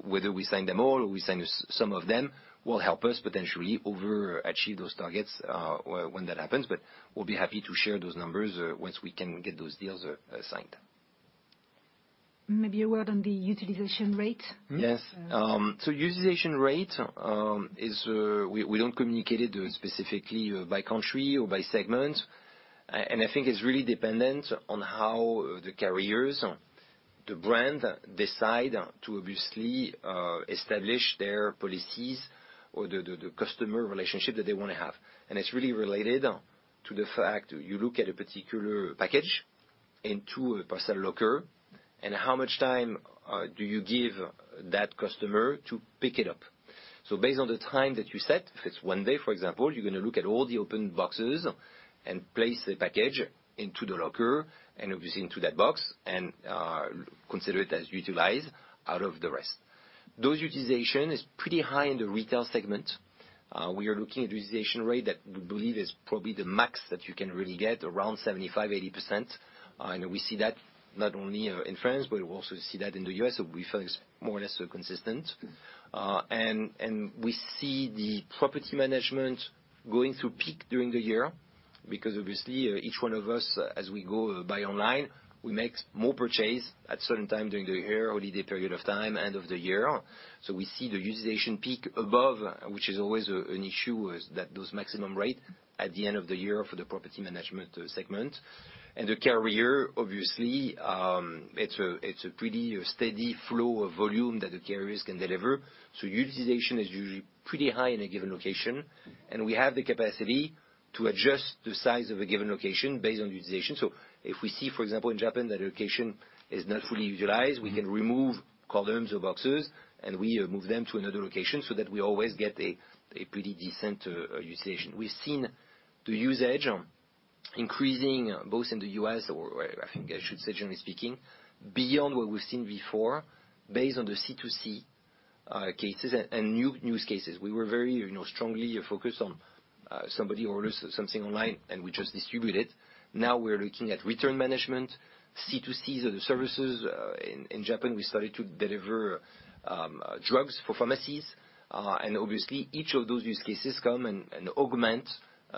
whether we sign them all or we sign some of them, will help us potentially overachieve those targets, when that happens. We'll be happy to share those numbers once we can get those deals signed. Maybe a word on the utilization rate. Yes. Utilization rate is we don't communicate it specifically by country or by segment. I think it's really dependent on how the carriers, the brand decide to obviously establish their policies or the customer relationship that they wanna have. It's really related to the fact you look at a particular package into a parcel locker, and how much time do you give that customer to pick it up? Based on the time that you set, if it's one day, for example, you're gonna look at all the open boxes and place the package into the locker and obviously into that box and consider it as utilized out of the rest. Those utilization is pretty high in the retail segment. We are looking at utilization rate that we believe is probably the max that you can really get, around 75%-80%. We see that not only in France, but we also see that in the U.S. We feel it's more or less consistent. We see the property management going through peak during the year because obviously each one of us, as we go buy online, we make more purchase at certain time during the year or holiday period of time, end of the year. We see the utilization peak above, which is always an issue, is that those maximum rate at the end of the year for the property management segment. The carrier obviously, it's a pretty steady flow of volume that the carriers can deliver. Utilization is usually pretty high in a given location, and we have the capacity to adjust the size of a given location based on utilization. If we see, for example, in Japan, that a location is not fully utilized, we can remove columns or boxes, and we move them to another location so that we always get a pretty decent utilization. We've seen the usage increasing both in the U.S. or I think I should say generally speaking, beyond what we've seen before based on the C2C cases and new use cases. We were very, you know, strongly focused on somebody orders something online, and we just distribute it. Now we're looking at return management, C2C as a services. In Japan, we started to deliver drugs for pharmacies. Obviously, each of those use cases come and augment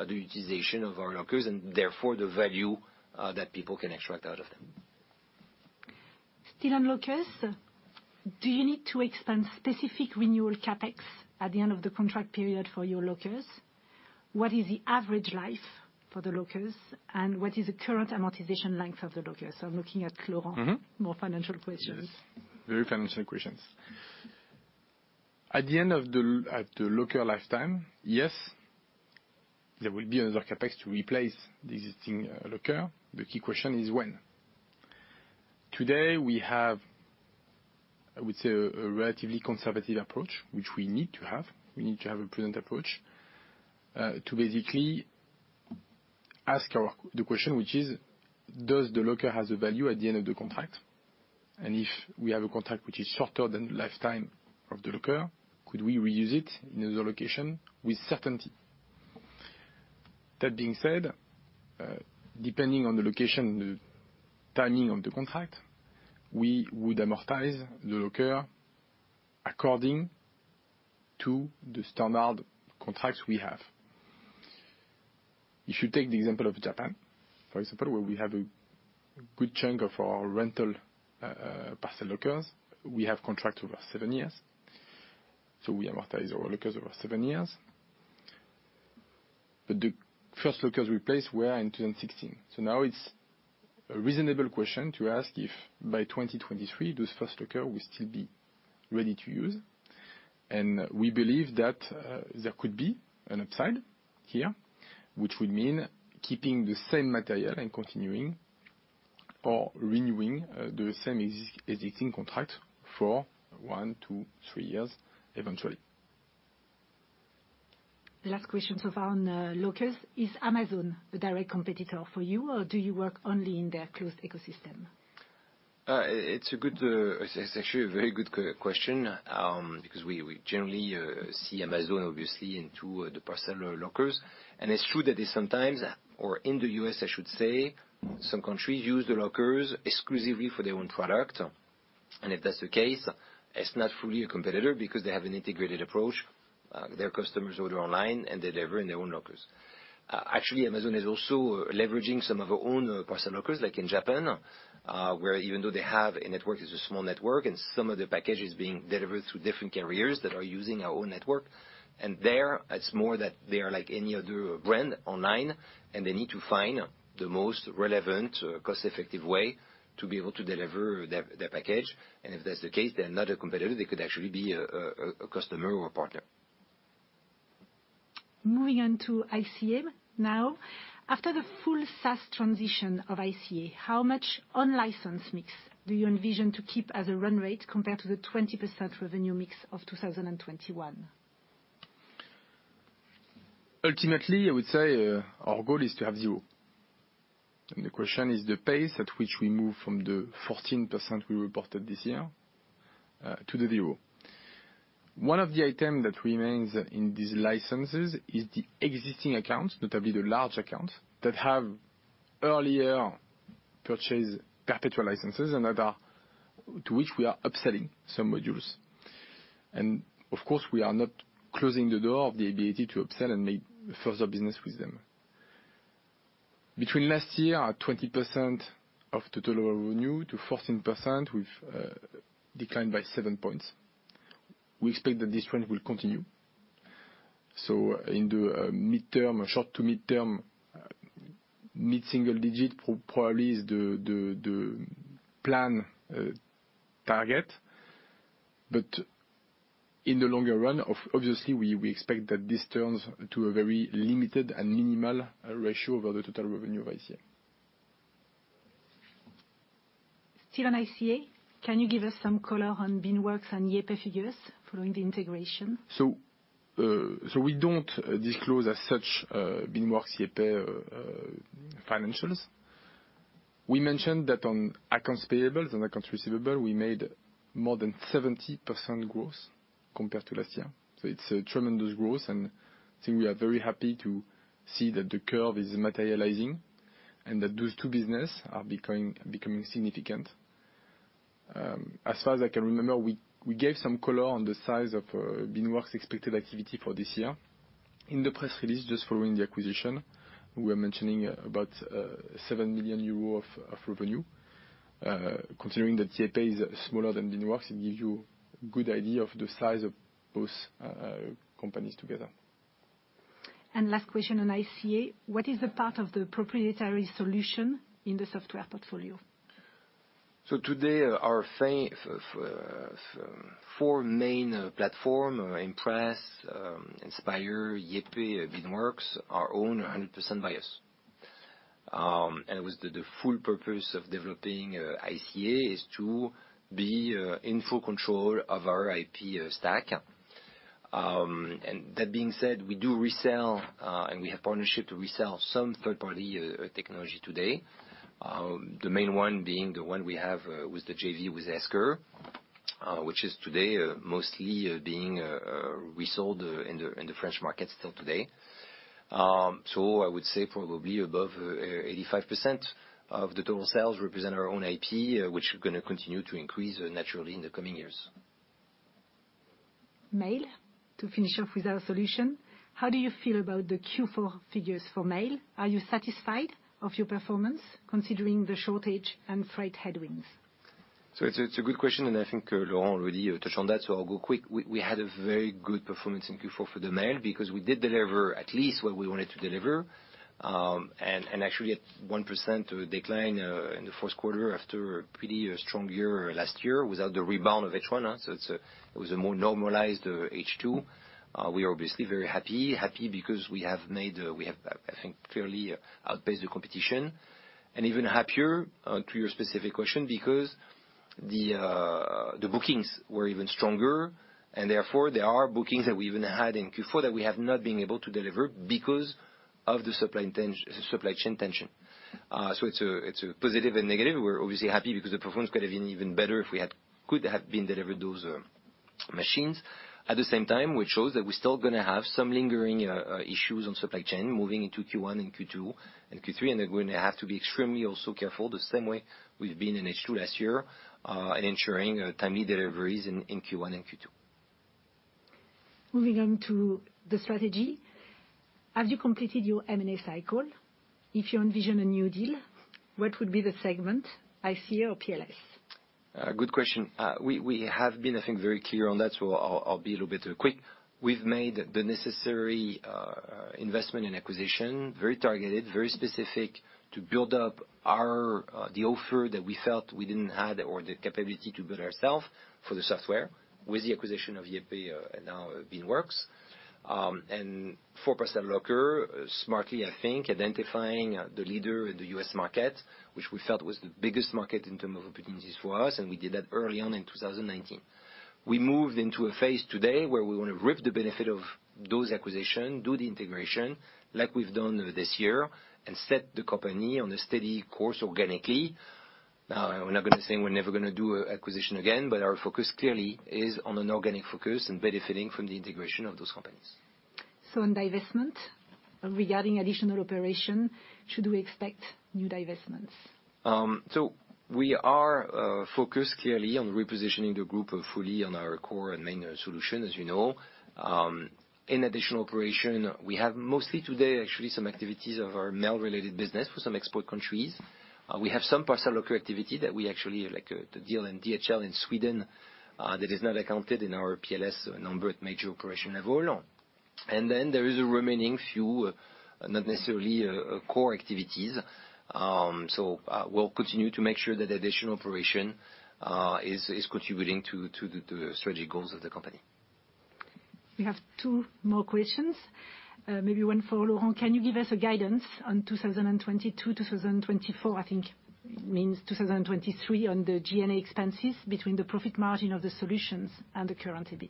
the utilization of our lockers and therefore the value that people can extract out of them. Still on lockers, do you need to expand specific renewal CapEx at the end of the contract period for your lockers? What is the average life for the lockers, and what is the current amortization length of the lockers? I'm looking at Laurent. Mm-hmm. More financial questions. Yes. Very financial questions. At the end of the locker lifetime, yes, there will be another CapEx to replace the existing locker. The key question is when. Today, we have, I would say, a relatively conservative approach, which we need to have. We need to have a prudent approach to basically ask the question, which is, does the locker has a value at the end of the contract? If we have a contract which is shorter than the lifetime of the locker, could we reuse it in another location with certainty? That being said, depending on the location, the timing of the contract, we would amortize the locker according to the standard contracts we have. If you take the example of Japan, for example, where we have a good chunk of our rental parcel lockers, we have contracts over seven years, so we amortize our lockers over seven years. The first lockers we placed were in 2016. Now it's a reasonable question to ask if by 2023, those first locker will still be ready to use. We believe that there could be an upside here, which would mean keeping the same material and continuing or renewing the same existing contract for one to three years eventually. The last question so far on lockers. Is Amazon a direct competitor for you, or do you work only in their closed ecosystem? It's actually a very good question, because we generally see Amazon obviously into the parcel lockers. It's true that they sometimes, or in the U.S., I should say, some countries use the lockers exclusively for their own product. If that's the case, it's not fully a competitor because they have an integrated approach. Their customers order online and deliver in their own lockers. Actually, Amazon is also leveraging some of our own parcel lockers, like in Japan, where even though they have a network, it's a small network, and some of the package is being delivered through different carriers that are using our own network. There it's more that they are like any other brand online, and they need to find the most relevant, cost-effective way to be able to deliver the package. If that's the case, they're not a competitor. They could actually be a customer or partner. Moving on to ICA now. After the full SaaS transition of ICA, how much on-license mix do you envision to keep as a run rate compared to the 20% revenue mix of 2021? Ultimately, I would say, our goal is to have zero. The question is the pace at which we move from the 14% we reported this year to the zero. One of the item that remains in these licenses is the existing accounts, notably the large accounts, that have earlier purchased perpetual licenses and to which we are upselling some modules. Of course, we are not closing the door of the ability to upsell and make further business with them. Between last year, at 20% of total revenue, to 14%, we've declined by seven points. We expect that this trend will continue. In the midterm, short to midterm, mid-single digit probably is the plan target. In the longer run, obviously, we expect that this turns to a very limited and minimal ratio of the total revenue of ICA. Still on ICA, can you give us some color on Beanworks and YayPay figures following the integration? We don't disclose as such Beanworks-YayPay financials. We mentioned that on accounts payables and accounts receivable, we made more than 70% growth compared to last year. It's a tremendous growth, and I think we are very happy to see that the curve is materializing and that those two business are becoming significant. As far as I can remember, we gave some color on the size of Beanworks' expected activity for this year. In the press release just following the acquisition, we are mentioning about 7 million euros of revenue. Considering that YayPay is smaller than Beanworks, it gives you a good idea of the size of both companies together. Last question on ICA, what is the part of the proprietary solution in the software portfolio? Today, our four main platform, Impress, Inspire, YayPay, Beanworks are owned 100% by us. It was the full purpose of developing ICA is to be in full control of our IP stack. That being said, we do resell and we have partnership to resell some third-party technology today. The main one being the one we have with the JV with Esker, which is today mostly being resold in the French market still today. I would say probably above 85% of the total sales represent our own IP, which is gonna continue to increase naturally in the coming years. Mail, to finish off with our solution, how do you feel about the Q4 figures for Mail? Are you satisfied of your performance considering the shortage and freight headwinds? It's a good question, and I think Laurent already touched on that, so I'll go quick. We had a very good performance in Q4 for the Mail because we did deliver at least what we wanted to deliver. Actually at 1% decline in the first quarter after pretty strong year last year without the rebound of H1. It was a more normalized H2. We are obviously very happy. Happy because we have made, I think, clearly outpaced the competition. Even happier to your specific question because the bookings were even stronger, and therefore, there are bookings that we even had in Q4 that we have not been able to deliver because of the supply chain tension. It's a positive and negative. We're obviously happy because the performance could have been even better if we had delivered those machines. At the same time, which shows that we're still gonna have some lingering issues on supply chain moving into Q1 and Q2 and Q3, and we're gonna have to be extremely also careful the same way we've been in H2 last year in ensuring timely deliveries in Q1 and Q2. Moving on to the strategy. Have you completed your M&A cycle? If you envision a new deal, what would be the segment, ICA or PLS? Good question. We have been, I think, very clear on that, so I'll be a little bit quick. We've made the necessary investment in acquisition, very targeted, very specific to build up the offer that we felt we didn't have or the capability to build ourselves for the software with the acquisition of YayPay, now Beanworks. For parcel locker, smartly, I think, identifying the leader in the U.S. market, which we felt was the biggest market in terms of opportunities for us, and we did that early on in 2019. We moved into a phase today where we wanna reap the benefit of those acquisitions, do the integration like we've done this year, and set the company on a steady course organically. We're not gonna say we're never gonna do acquisition again, but our focus clearly is on an organic focus and benefiting from the integration of those companies. In divestment, regarding additional operation, should we expect new divestments? We are focused clearly on repositioning the group fully on our core and main solution, as you know. In Additional Operations, we have mostly today actually some activities of our mail-related business for some export countries. We have some parcel locker activity that we actually like, the deal with DHL in Sweden, that is not accounted in our PLS number at major operations level. There is the remaining few, not necessarily core activities. We'll continue to make sure that Additional Operations is contributing to the strategic goals of the company. We have two more questions, maybe one for Laurent. Can you give us a guidance on 2022, 2024? I think it means 2023 on the G&A expenses between the profit margin of the solutions and the current EBIT.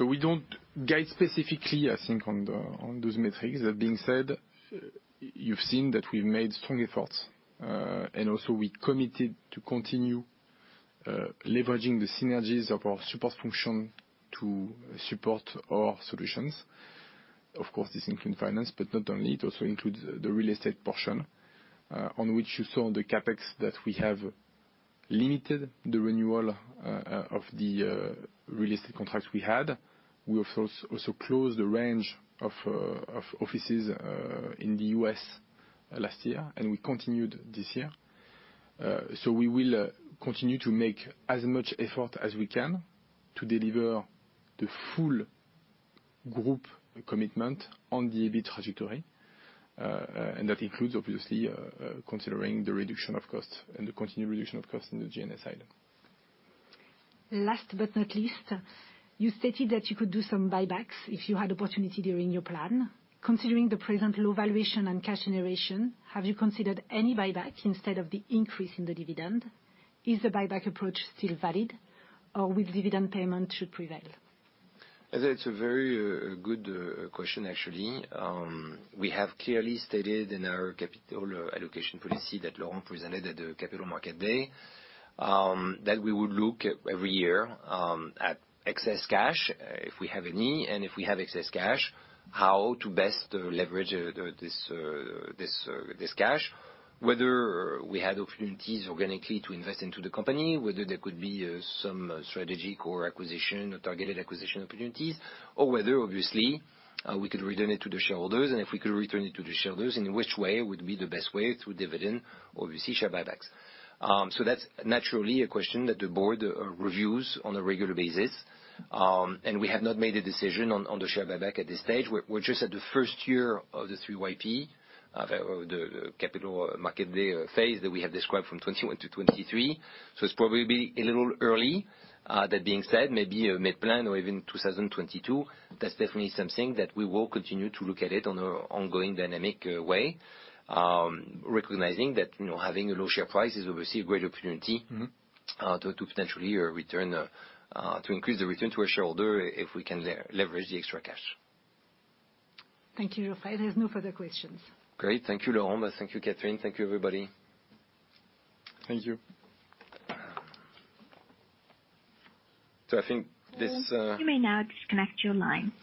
We don't guide specifically, I think, on those metrics. That being said, you've seen that we've made strong efforts, and also we committed to continue leveraging the synergies of our support function to support our solutions. Of course, this includes finance, but not only. It also includes the real estate portion, on which you saw the CapEx that we have limited the renewal of the real estate contracts we had. We have also closed a range of offices in the U.S. last year, and we continued this year. We will continue to make as much effort as we can to deliver the full group commitment on the EBIT trajectory. That includes obviously considering the reduction of costs and the continued reduction of costs in the G&A side. Last but not least, you stated that you could do some buybacks if you had opportunity during your plan. Considering the present low valuation and cash generation, have you considered any buyback instead of the increase in the dividend? Is the buyback approach still valid or will dividend payment should prevail? That's a very good question actually. We have clearly stated in our capital allocation policy that Laurent presented at the Capital Markets Day that we would look every year at excess cash, if we have any. If we have excess cash, how to best leverage this cash, whether we had opportunities organically to invest into the company, whether there could be some strategic or acquisition or targeted acquisition opportunities, or whether obviously we could return it to the shareholders. If we could return it to the shareholders, in which way would be the best way through dividend, obviously share buybacks. That's naturally a question that the board reviews on a regular basis. We have not made a decision on the share buyback at this stage. We're just at the first year of the three YP, the Capital Markets Day phase that we have described from 2021 to 2023. It's probably a little early. That being said, maybe mid plan or even 2022, that's definitely something that we will continue to look at it on an ongoing dynamic way, recognizing that, you know, having a low share price is obviously a great opportunity. Mm-hmm. To potentially return to increase the return to our shareholder if we can leverage the extra cash. Thank you, Geoffrey. There's no further questions. Great. Thank you, Laurent. Thank you, Catherine. Thank you, everybody. Thank you. I think this. You may now disconnect your line